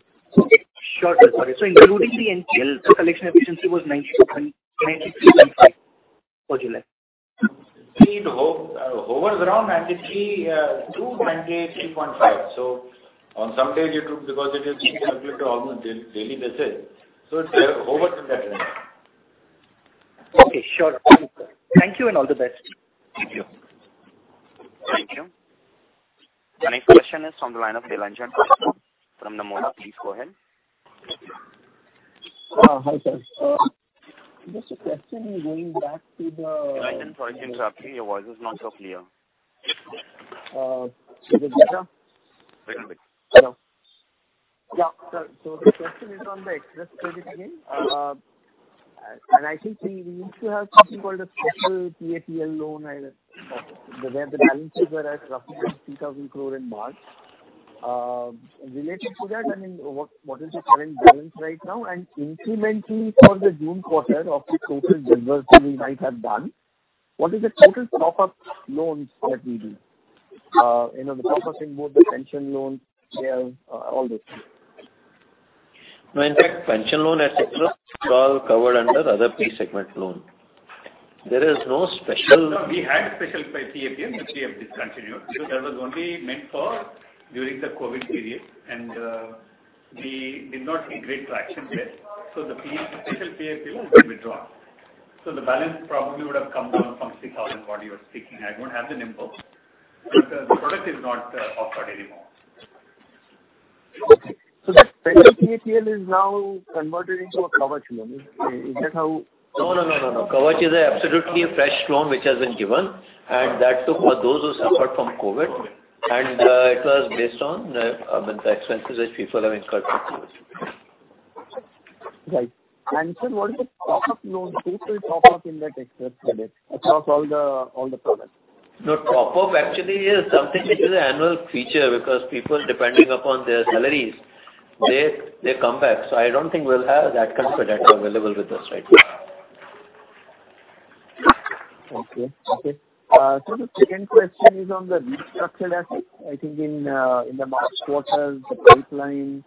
Sure. Including the NCL, the collection efficiency was 93.5% for July. Overall, 93%-93.5%. On some days it is because it is being calculated almost on a daily basis, so it's over from that range. Okay, sure. Thank you, and all the best. Thank you. Thank you. The next question is on the line of Nilanjan Karfa from Nomura. Please go ahead. Hi, sir. Just a question going back. Nilanjan, sorry to interrupt you. Your voice is not so clear. Is it better? Wait a bit. Hello. Yeah. The question is on the Xpress Credit again. I think we used to have something called a special PAPL loan where the balances were at roughly 6,000 crore in March. Related to that, what is the current balance right now? Incrementally for the June quarter of the total diversity we might have done, what is the total top-up loans that we do? The top-up in both the pension loans, PL, all those things. No, in fact, pension loan, et cetera, it's all covered under other pre-segment loan. There is no special- No. We had special PAPL, which we have discontinued because that was only meant for during the COVID period, and we did not see great traction there. The special PAPL has been withdrawn. The balance probably would have come down from 6,000 what you are speaking. I don't have the numbers, but the product is not offered anymore. Okay. The special PAPL is now converted into a Kavach loan. Is that how? No. Kavach is absolutely a fresh loan which has been given, and that's for those who suffered from COVID, and it was based on the expenses which people have incurred from COVID. Right. Sir, what is the top-up loan, total top-up in that Xpress Credit across all the products? No. Top-up actually is something which is an annual feature because people, depending upon their salaries, they come back. I don't think we'll have that kind of product available with us right now. Okay. The second question is on the restructured assets. I think in the March quarter, the pipeline,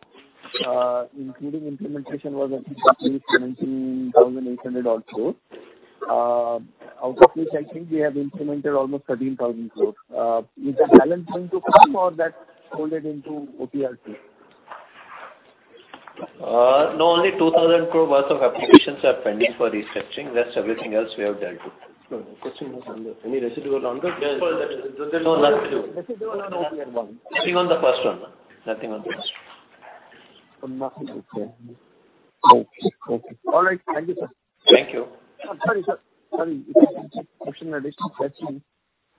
including implementation, was at roughly 17,800 odd crores. Out of which, I think we have implemented almost 13,000 crores. Is the balance going to come or that folded into NPA too? No. Only 2,000 crore worth of applications are pending for restructuring. Rest everything else we have dealt with. Question was under any residual under- No. Nothing to do. Nothing on the first one. Nothing. Okay. All right. Thank you, sir. Thank you. Sorry, sir. Just a question, additional question.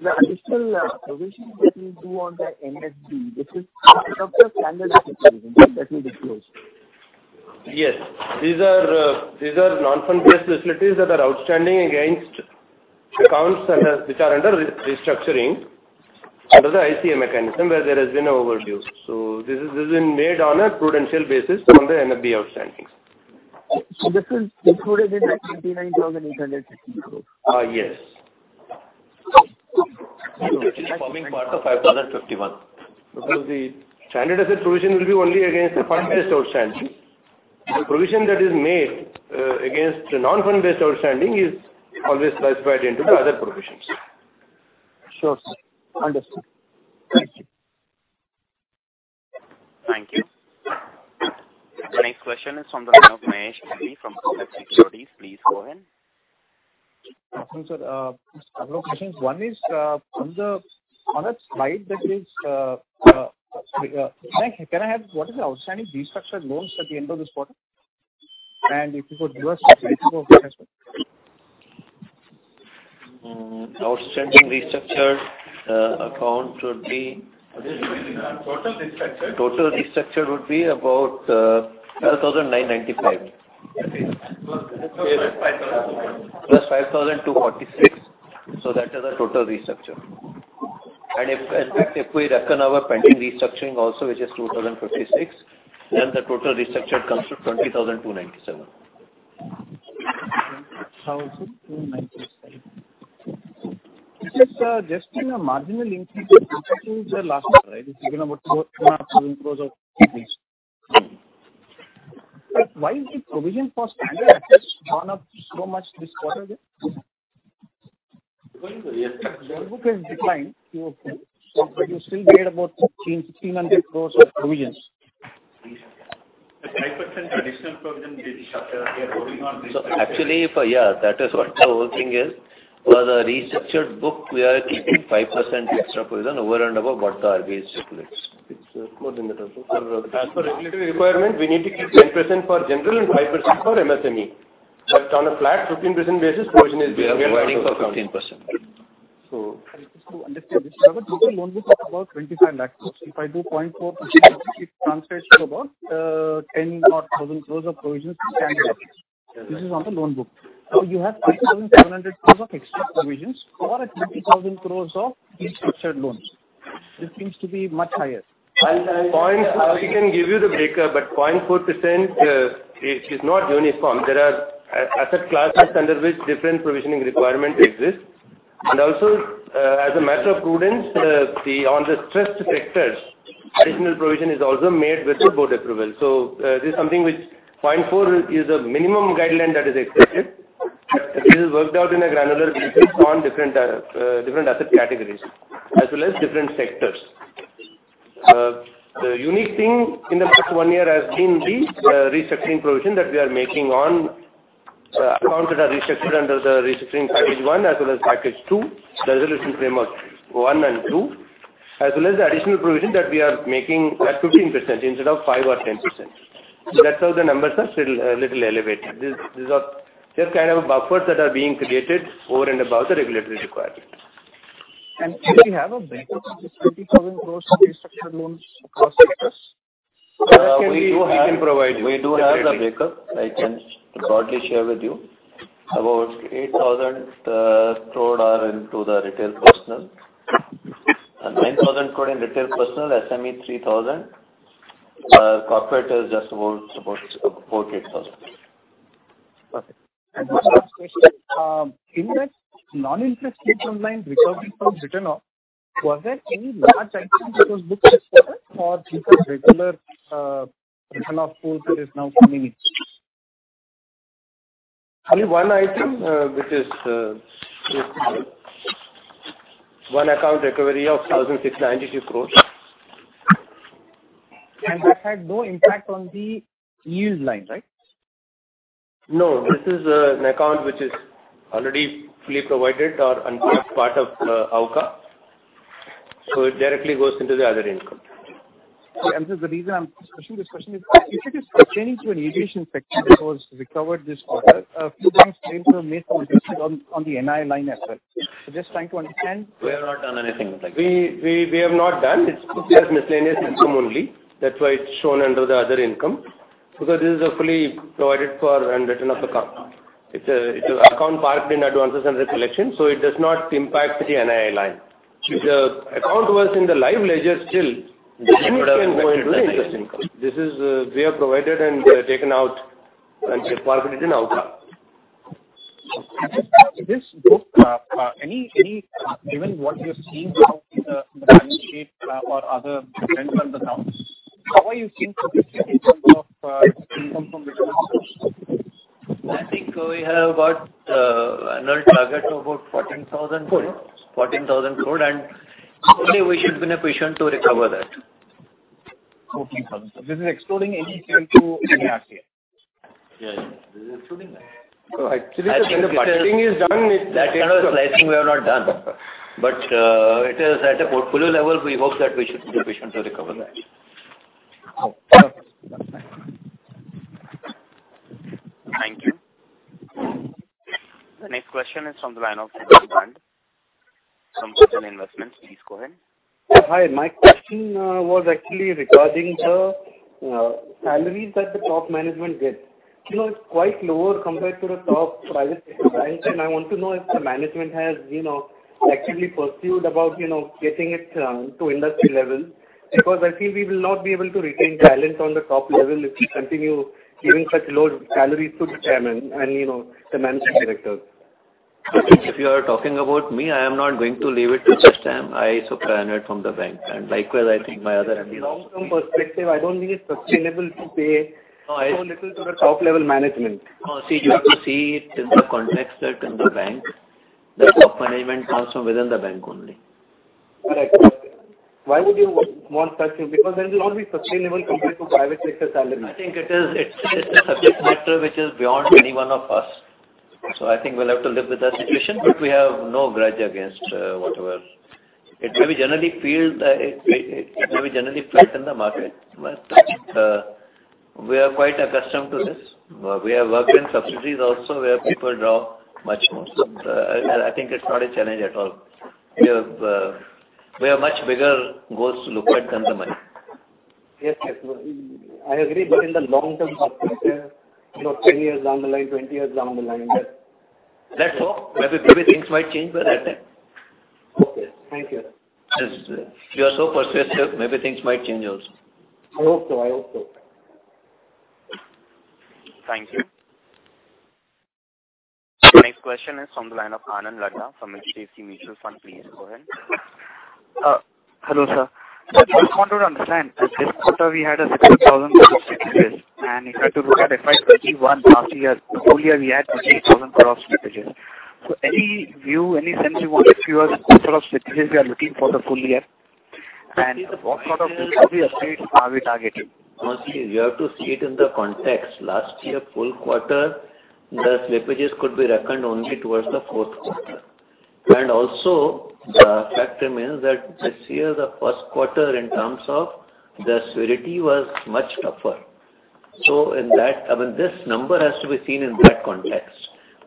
The additional provisions that you do on the NFB, this is part of the standard that we disclosed. Yes. These are non-fund based facilities that are outstanding against accounts which are under restructuring under the ICA mechanism where there has been an overdue. This has been made on a prudential basis from the NFB outstanding. This is included in the 29,850 crore. Yes. This is forming part of 5,051. The standard asset provision will be only against the fund-based outstanding. The provision that is made against a non-fund based outstanding is always classified into other provisions. Sure, sir. Understood. Thank you. Thank you. The next question is from the line of M B Mahesh from Kotak Securities. Please go ahead. Thank you, sir. Just a couple of questions. One is, on that slide, can I have what is the outstanding restructured loans at the end of this quarter? If you could give us the ratio of it as well. Outstanding restructured account would be. Total restructured. Total restructured would be about 12,995. +5,246. +5,246. That is our total restructure. In fact, if we reckon our pending restructuring also, which is 2,056, then the total restructure comes to 20,297. 20,297. It is just a marginal increase to the last year, right? It's been about 2.5 crores or 3 crores. Why is the provision for standard gone up so much this quarter then? Yes. The loan book has declined. Okay. You still made about 1,500 crores of provisions. 5% additional provision we are holding on this. Actually, yeah, that is what the whole thing is. For the restructured book, we are keeping 5% extra provision over and above what the RBI stipulates. It's more than that. As for regulatory requirement, we need to keep 10% for general and 5% for MSME. On a flat 15% basis, provision is 20%. We are providing for 15%. Just to understand this, you have a total loan book of about 25 lakh crore. If I do 0.4%, it translates to about 10,000 crore of provisions standard. This is on the loan book. You have 2,700 crore of extra provisions for a 50,000 crore of restructured loans. This seems to be much higher. We can give you the breakup. 0.4% is not uniform. There are asset classes under which different provisioning requirement exists. Also, as a matter of prudence, on the stressed sectors, additional provision is also made with the board approval. This is something which 0.4 is the minimum guideline that is accepted. This is worked out in a granular basis on different asset categories as well as different sectors. The unique thing in the past one year has been the restructuring provision that we are making on accounts that are restructured under the restructuring package one as well as package two, the Resolution Framework 1.0 and 2.0, as well as the additional provision that we are making at 15% instead of 5% or 10%. That's how the numbers are little elevated. These are just kind of buffers that are being created over and above the regulatory requirement. Do we have a breakup of this 50,000 crore of restructured loans across sectors? We do have. We can provide you. We do have the breakup. I can broadly share with you about 8,000 crore are into the retail personal, 9,000 crore in retail personal, SME 3,000 crore, corporate is just about 4,000 crore-8,000 crore. Perfect. One last question. In that non-interest income line, recovery from written off, was there any large item that was booked this quarter or just regular written off pool that is now coming in? Only one item, which is one account recovery of 1,692 crores. That had no impact on the yields line, right? No, this is an account which is already fully provided or uncollected part of AUCA, so it directly goes into the other income. The reason I'm especially discussing is if it is pertaining to a litigation settlement that was recovered this quarter, a few times claims were made from interest on the NII line as well. Just trying to understand. We have not done anything like that. We have not done. It's just miscellaneous income only. That's why it's shown under the other income because this is a fully provided for and written off account. It's account parked in advances under collection, so it does not impact the NI line. If the account was in the live ledger still, then it can go into interest income. This is we have provided and taken out and parked it in AUCA. This book, given what you're seeing now in the balance sheet or other trends on the ground, how are you seeing progressively in terms of income from written off? I think we have about annual target of about 14,000 crores, and hopefully we should be in a position to recover that. 14,000. This is excluding any sale to ARC. Yeah. This is excluding that. actually when the budgeting is done. That kind of slicing we have not done. It is at a portfolio level, we hope that we should be in a position to recover that. Okay. Thank you. The next question is from the line of Siddhant Dand from Goodwill Investments, please go ahead. Hi. My question was actually regarding the salaries that the top management gets. It's quite lower compared to the top private sector banks, and I want to know if the management has actively pursued about getting it to industry level. I feel we will not be able to retain talent on the top level if we continue giving such low salaries to the chairman and the managing director. If you are talking about me, I am not going to leave it to such time. I shall retire from the bank, and likewise, I think my other MD also. In long-term perspective, I don't think it's sustainable to pay so little to the top-level management. See, you have to see it in the context that in the bank, the top management comes from within the bank only. Correct. Why would you want such? Then it will not be sustainable compared to private sector salaries. I think it's a subject matter which is beyond any one of us. I think we'll have to live with that situation, but we have no grudge against whatever. It may be generally felt in the market, but we are quite accustomed to this. We have worked in subsidiaries also where people draw much more. I think it's not a challenge at all. We have much bigger goals to look at than the money. Yes. I agree. In the long-term perspective, 10 years down the line, 20 years down the line. Let's hope. Maybe things might change by that time. Okay. Thank you. If you are so persuasive, maybe things might change also. I hope so. Thank you. The next question is from the line of Anand Laddha from HDFC Mutual Fund. Please go ahead. Hello, sir. I just wanted to understand, this quarter we had 60,000 slippages and if you had to look at FY 2021 last year, full-year, we had 50,000 slippages. Any view, any sense you want to give us, what sort of slippages we are looking for the full-year? And what sort of recovery estimates are we targeting? Mostly you have to see it in the context. Last year, full quarter, the slippages could be reckoned only towards the fourth quarter. The fact remains that this year, the first quarter in terms of the severity was much tougher. This number has to be seen in that context.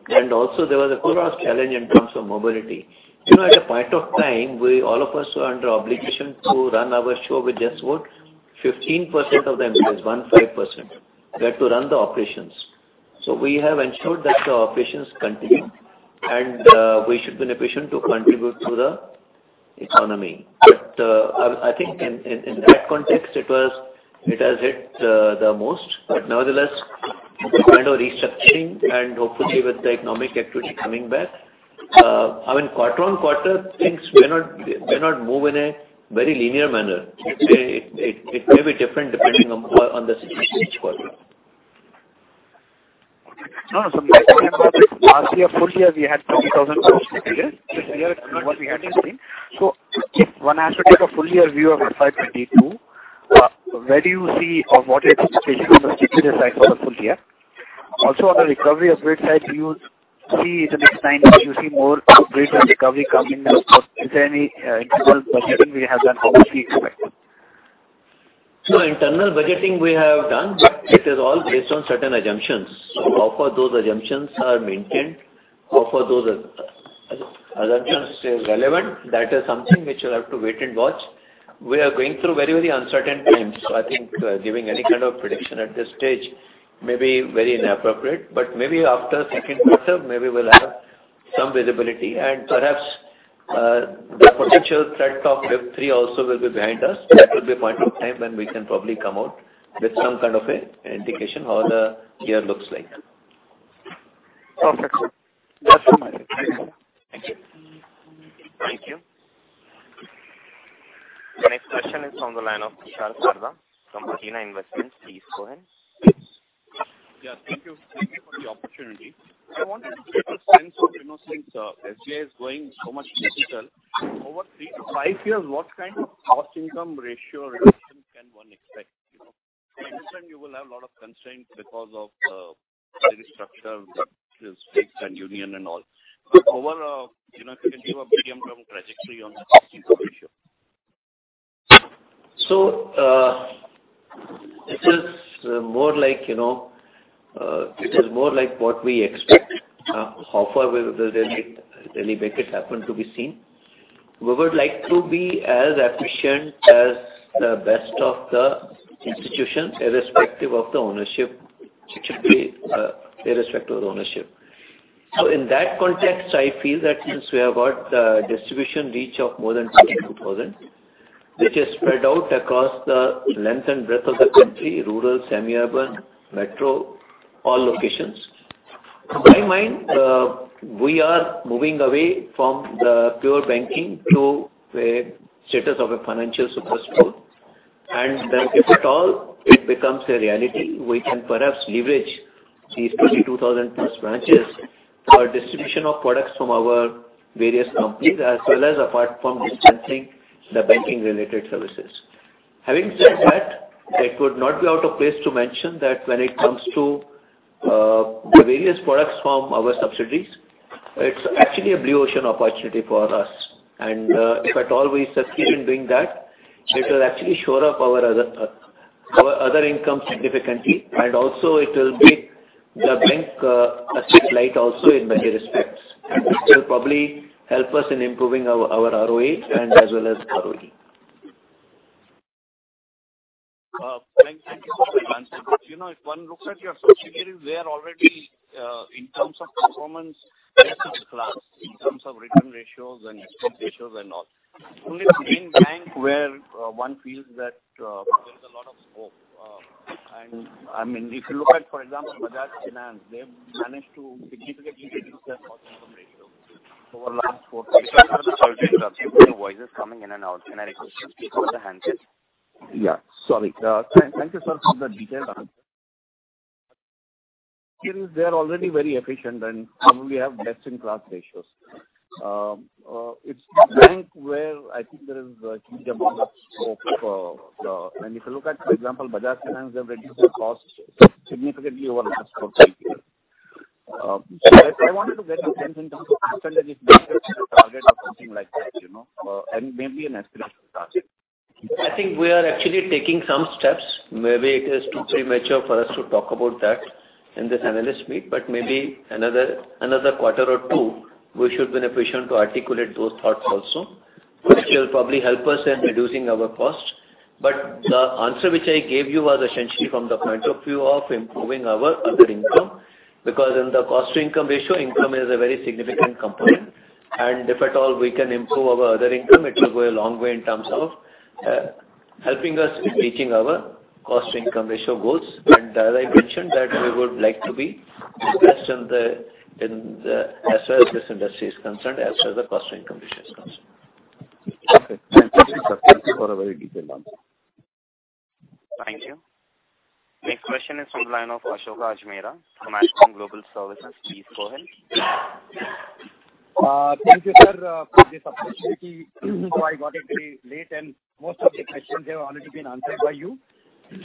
There was a whole lot of challenge in terms of mobility. At a point of time, all of us were under obligation to run our show with just what 15% of the employees, we had to run the operations. We have ensured that the operations continue and we should be in a position to contribute to the economy. I think in that context, it has hit the most. Nevertheless, with kind of restructuring and hopefully with the economic activity coming back. Quarter-over-quarter, things may not move in a very linear manner. It may be different depending on the each quarter. No, sir. Last year, full-year, we had 20,000 slippages. This year, what we had is this. If one has to take a full-year view of FY 2022, where do you see or what is the situation on the slippage side for the full-year? On the recovery upgrade side, do you see it is 90, you see more upgrade and recovery coming in or is there any internal budgeting we have done or which we expect? No internal budgeting we have done, but it is all based on certain assumptions. How far those assumptions are maintained, how far those assumptions stay relevant, that is something which you'll have to wait and watch. We are going through very uncertain times. I think giving any kind of prediction at this stage may be very inappropriate, but maybe after second quarter, maybe we'll have some visibility and perhaps, the potential threat of wave 3 also will be behind us. That will be a point of time when we can probably come out with some kind of an indication how the year looks like. Perfect, sir. That's all. Thank you, sir. Thank you. The next question is on the line of Tushar Sarda from Athena Investments. Please go ahead. Yeah, thank you. Thank you for the opportunity. I wanted to get a sense of, since SBI is going so much digital, over three to five years, what kind of cost-income ratio reduction can one expect? I understand you will have a lot of constraints because of the structural states and union and all. If you can give a medium-term trajectory on the cost-income ratio. It is more like what we expect. How far will they let it happen to be seen. We would like to be as efficient as the best of the institutions irrespective of the ownership. In that context, I feel that since we have got distribution reach of more than 42,000, which is spread out across the length and breadth of the country, rural, semi-urban, metro, all locations. Keep in mind we are moving away from the pure banking to a status of a financial super store and then if at all it becomes a reality, we can perhaps leverage these 22,000 plus branches for distribution of products from our various companies as well as apart from dispensing the banking related services. Having said that, it would not be out of place to mention that when it comes to the various products from our subsidiaries, it's actually a blue ocean opportunity for us. If at all we succeed in doing that, it will actually shore up our other income significantly and also it will make the bank a bit light also in many respects, and this will probably help us in improving our ROA and as well as ROE. Thank you for the answer. If one looks at your subsidiary, they are already, in terms of performance, best in class in terms of return ratios and expense ratios and all. Only the main bank where one feels that there is a lot of scope. If you look at, for example, Bajaj Finance, they've managed to significantly reduce their cost income ratio over last four, five years. I'm sorry to interrupt you, but a few voices coming in and out. Can I request you to use the handset? Yeah, sorry. Thank you, sir, for the detailed answer. They are already very efficient and probably have best in class ratios. It's the bank where I think there is a huge amount of scope. If you look at, for example, Bajaj Finance, they've reduced their costs significantly over the last four to five years. I wanted to get your sense in terms of % basis or target or something like that and maybe an aspirational target. I think we are actually taking some steps. Maybe it is too premature for us to talk about that in this analyst meet, but maybe another quarter or two, we should be in a position to articulate those thoughts also, which will probably help us in reducing our cost. The answer which I gave you was essentially from the point of view of improving our other income. Because in the cost-to-income ratio, income is a very significant component, and if at all we can improve our other income, it will go a long way in terms of helping us in reaching our cost-to-income ratio goals. As I mentioned, that we would like to be best as far as this industry is concerned, as for the cost-to-income ratio is concerned. Okay. Thank you, sir, for a very detailed answer. Thank you. Next question is from the line of Ashok Ajmera from Ajcon Global Services. Please go ahead. Thank you, sir, for this opportunity. I got it very late and most of the questions have already been answered by you.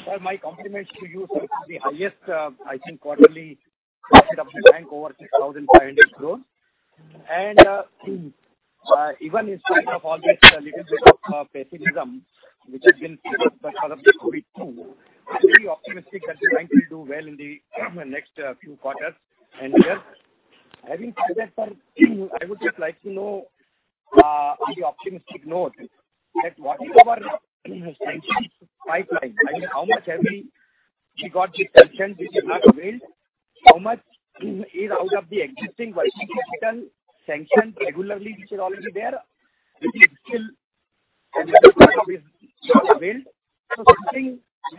Sir, my compliments to you. Sir, it is the highest, I think, quarterly profit of the bank over 6,500 crores. Even in spite of all this little bit of pessimism, which has been fueled because of the COVID-19, I'm very optimistic that the bank will do well in the next few quarters and years. Having said that, sir, I would just like to know, on the optimistic note, what is our sanctions pipeline? I mean, how much have we got the sanctions which we have not availed? How much is out of the existing working digital sanctions regularly, which are already there, which is still available to be availed?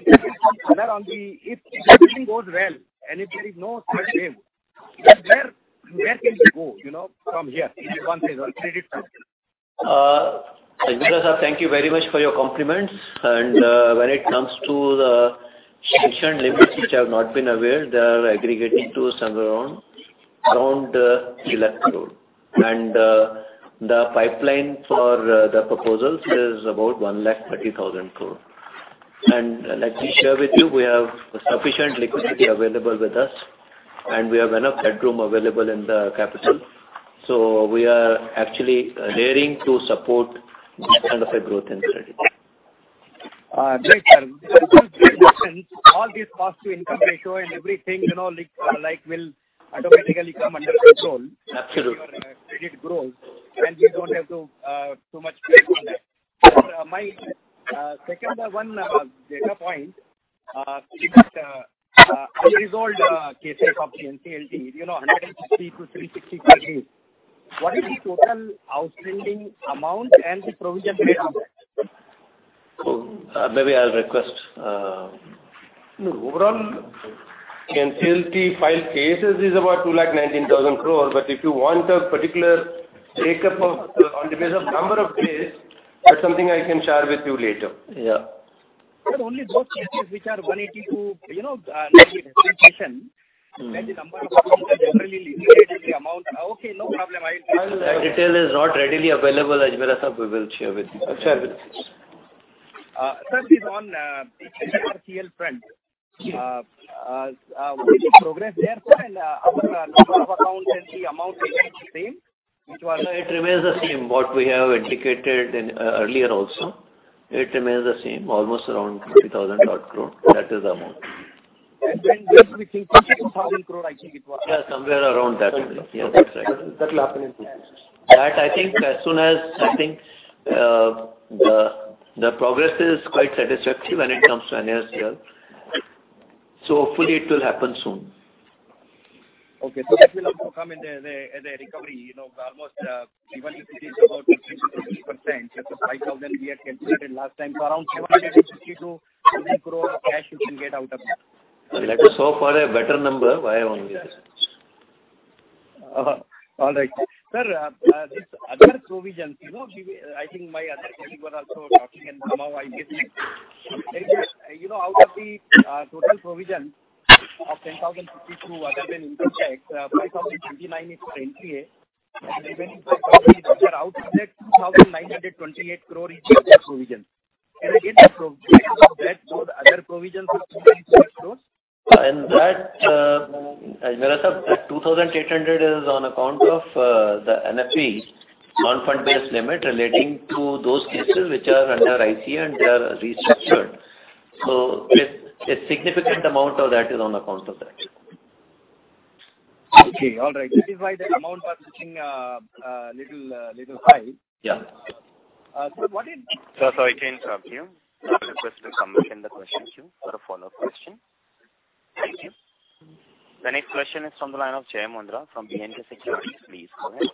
If everything goes well and if there is no third wave, where can we go from here in advances or credit front? Ajmera sir, thank you very much for your compliments. When it comes to the sanction limits which have not been availed, they are aggregating to somewhere around INR 3 lakh crore. The pipeline for the proposals is about 1,30,000 crore. Let me share with you, we have sufficient liquidity available with us, and we have enough headroom available in the capital. We are actually gearing to support this kind of a growth in credit. Great, sir. With all these sanctions, all these cost-to-income ratio and everything will automatically come under control. Absolutely with your credit growth and we don't have too much to worry on that. Sir, my second one, data point. You got unresolved cases of the NCLT, 180-360+ days. What is the total outstanding amount and the provision made on that? Cool. Maybe I'll request No. Overall NCLT filed cases is about 2 lakh 19,000 crore. If you want a particular breakup on the basis of number of days, that's something I can share with you later. Yeah. Sir, only those cases which are 180 to, you know, 90 days sanction, that is the number of accounts that generally liquidate the amount. Okay, no problem. That detail is not readily available, Ajmera sir. We will share with you. Okay. Sir, this one, the NARCL front. What is the progress there, sir? Are the number of accounts and the amount remains the same? No, it remains the same, what we have indicated earlier also. It remains the same, almost around 50,000 odd crore. That is the amount. When do we think 2,000 crore? Yeah, somewhere around that only. Thank you. Yes, that's right. That will happen in two months. I think as soon as the progress is quite satisfactory when it comes to NARCL. Hopefully it will happen soon. Okay. That will also come in the recovery, almost even if it is about 15%-20%, that's the INR 5,000 we had calculated last time. Around INR 750 crore-INR 800 crore of cash you can get out of that. Let us hope for a better number via one year. All right. Sir, these other provisions, I think my other colleague was also asking and somehow I missed it. Out of the total provision of INR 10,052, other than interest expense, INR 5,029 is for NPA and even if the profit is lower, out of that INR 2,928 crore is your other provision. Can I get the breakdown of that? The other provision for INR 2,928 crore? That, Ajmera, 2,800 is on account of the NFBs, non-fund-based limit relating to those cases which are under ICA and they are restructured. A significant amount of that is on account of that. Okay, all right. That is why the amount was looking a little high. Yeah. Sir. Sir, sorry to interrupt you. I request to come back in the question queue for a follow-up question. Thank you. The next question is from the line of Jai Mundhra from B&K Securities. Please go ahead.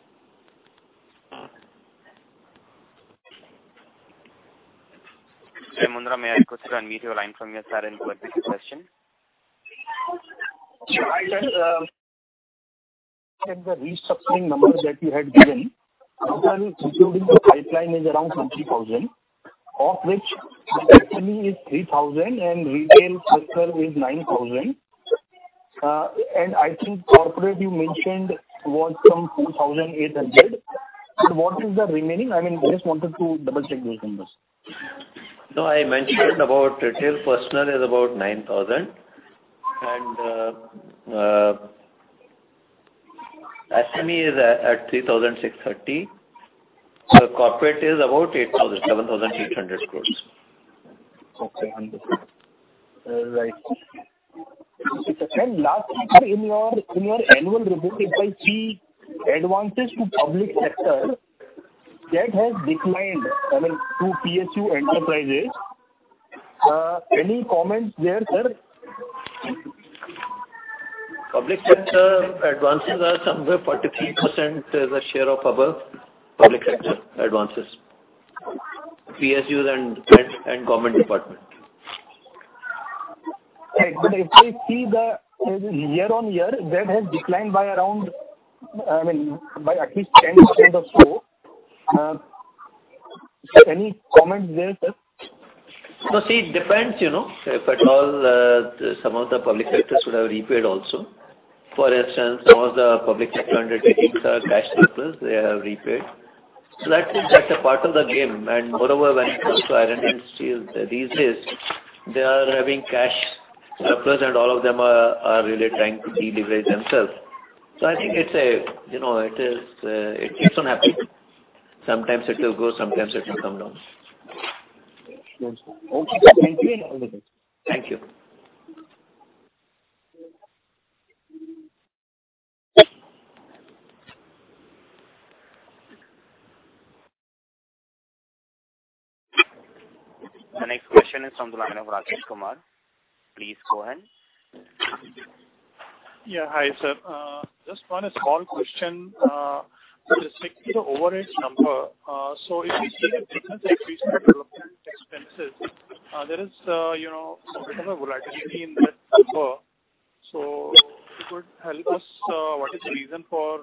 Jai Mundhra, may I request you to unmute your line from your side and go ahead with your question. Sure, I'll just check the restructuring numbers that you had given. Total including the pipeline is around 30,000, of which SME is 3,000 and retail personal is 9,000. I think corporate you mentioned was some 4,800. What is the remaining? I just wanted to double-check those numbers. No, I mentioned about retail personal is about 9,000 and SME is at 3,630. Corporate is about 7,800 crores. Okay, wonderful. Right. Lastly, sir, in your annual report, if I see advances to public sector, that has declined, I mean, to PSU enterprises. Any comments there, sir? Public sector advances are somewhere 43% is the share of public sector advances, PSUs and government department. Right. If I see the year-on-year, that has declined by at least 10% or so. Any comments there, sir? No. See, it depends. If at all, some of the public sectors would have repaid also. For instance, some of the public sector undertakings are cash surplus. They have repaid. That's a part of the game. Moreover, when it comes to iron and steel these days, they are having cash surplus and all of them are really trying to deleverage themselves. I think it keeps on happening. Sometimes it will go, sometimes it will come down. Understood. Okay, sir. Thank you and all the best. Thank you. The next question is from the line of Rakesh Kumar. Please go ahead. Yeah. Hi, sir. Just one small question. Specifically the overage number. If we see the difference increase in development expenses, there is some bit of a volatility in that number. If you could help us, what is the reason for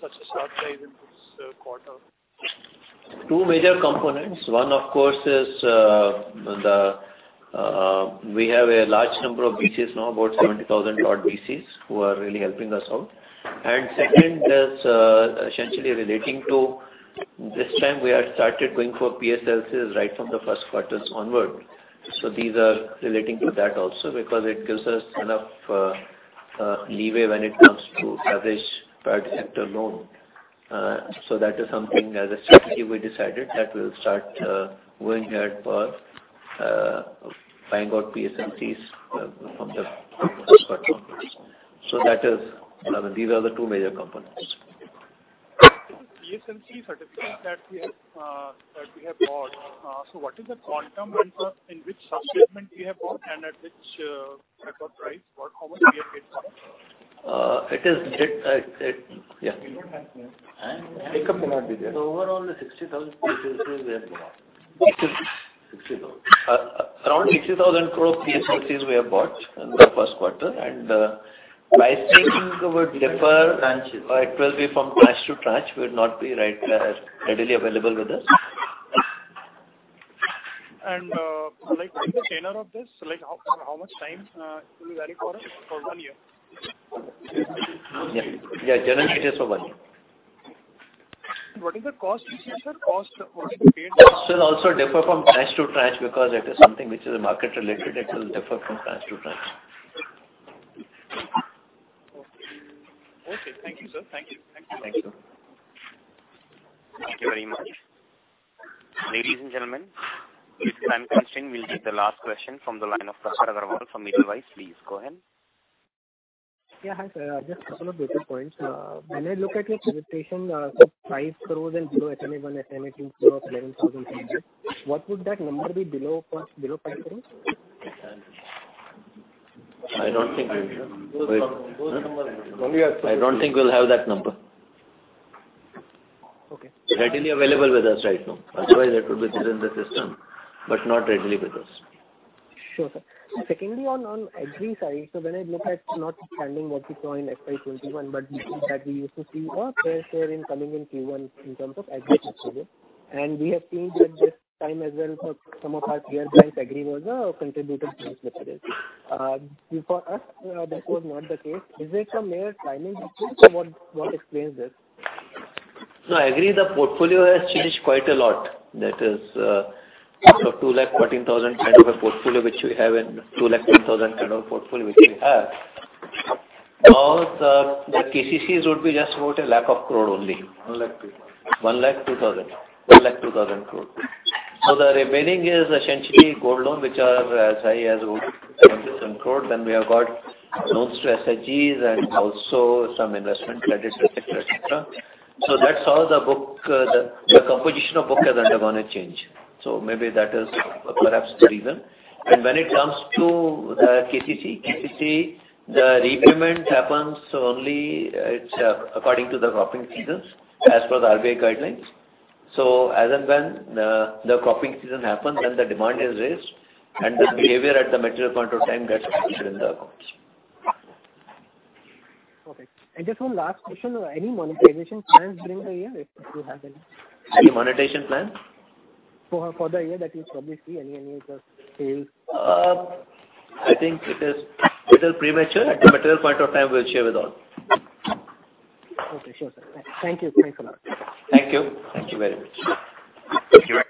such a sharp rise in this quarter? Two major components. One, of course, is we have a large number of BCs now, about 70,000 odd BCs who are really helping us out. Second is essentially relating to this time we had started going for PSLCs right from the first quarters onward. These are relating to that also because it gives us enough leeway when it comes to average private sector loan. That is something as a strategy we decided that we'll start going ahead for buying out PSLCs from the 1st quarter onwards. These are the two major components. PSLCs are the things that we have bought. What is the quantum and in which sub-segment we have bought and at which type of price? What cover we have paid for? It is Yeah. Pick up your mic, Vijay. Overall, 60,000 PSLCs we have bought. 60,000. Around 60,000 crore PSLCs we have bought in the first quarter and pricing would differ. It will be from tranche to tranche, will not be readily available with us. What is the tenure of this? How much time it will vary for? For 1 year. Yeah. Generally, it is for 1 year. What is the cost, sir? Cost paid. It will also differ from tranche to tranche because it is something which is market related. It will differ from tranche to tranche. Okay. Thank you, sir. Thank you. Thank you very much. Ladies and gentlemen, due to time constraint, we'll take the last question from the line of Prakhar Agarwal from Edelweiss. Please go ahead. Yeah. Hi, sir. Just a couple of data points. When I look at your presentation, sir, INR 5 crores and below SMA 1, SMA 2 is INR 11,000 crores. What would that number be below 5 crores? I don't think we will. I don't think we'll have that number. Okay. Readily available with us right now. Otherwise, that would be within the system, but not readily with us. Sure, sir. Secondly, on agri side, when I look at not understanding what we saw in FY 2021, that we used to see a fair share in coming in Q1 in terms of agri exposure. We have seen that this time as well for some of our peer banks, agri was a contributor to this quarter. Before us, this was not the case. Is it a mere timing difference or what explains this? No, agri, the portfolio has changed quite a lot. That is, sort of 2,14,000 kind of a portfolio, which we have in 2,03,000 kind of portfolio which we have. Now the KCCs would be just about 100,000 crore only. 1,02,000. 1,02,000. 1,02,000 crore. The remaining is essentially gold loan, which are as high as INR 70 some crore. We have got loans to SHGs and also some investment credits, et cetera. The composition of book has undergone a change. Maybe that is perhaps the reason. When it comes to the KCC, the repayment happens only according to the cropping seasons as per the RBI guidelines. As and when the cropping season happens, then the demand is raised, and the behavior at the material point of time gets captured in the accounts. Okay. Just one last question. Any monetization plans during the year, if you have any? Any monetization plan? For the year that you probably see any sales. I think it is a little premature. At a material point of time, we'll share with all. Okay. Sure, sir. Thank you. Thanks a lot. Thank you. Thank you very much. Thank you.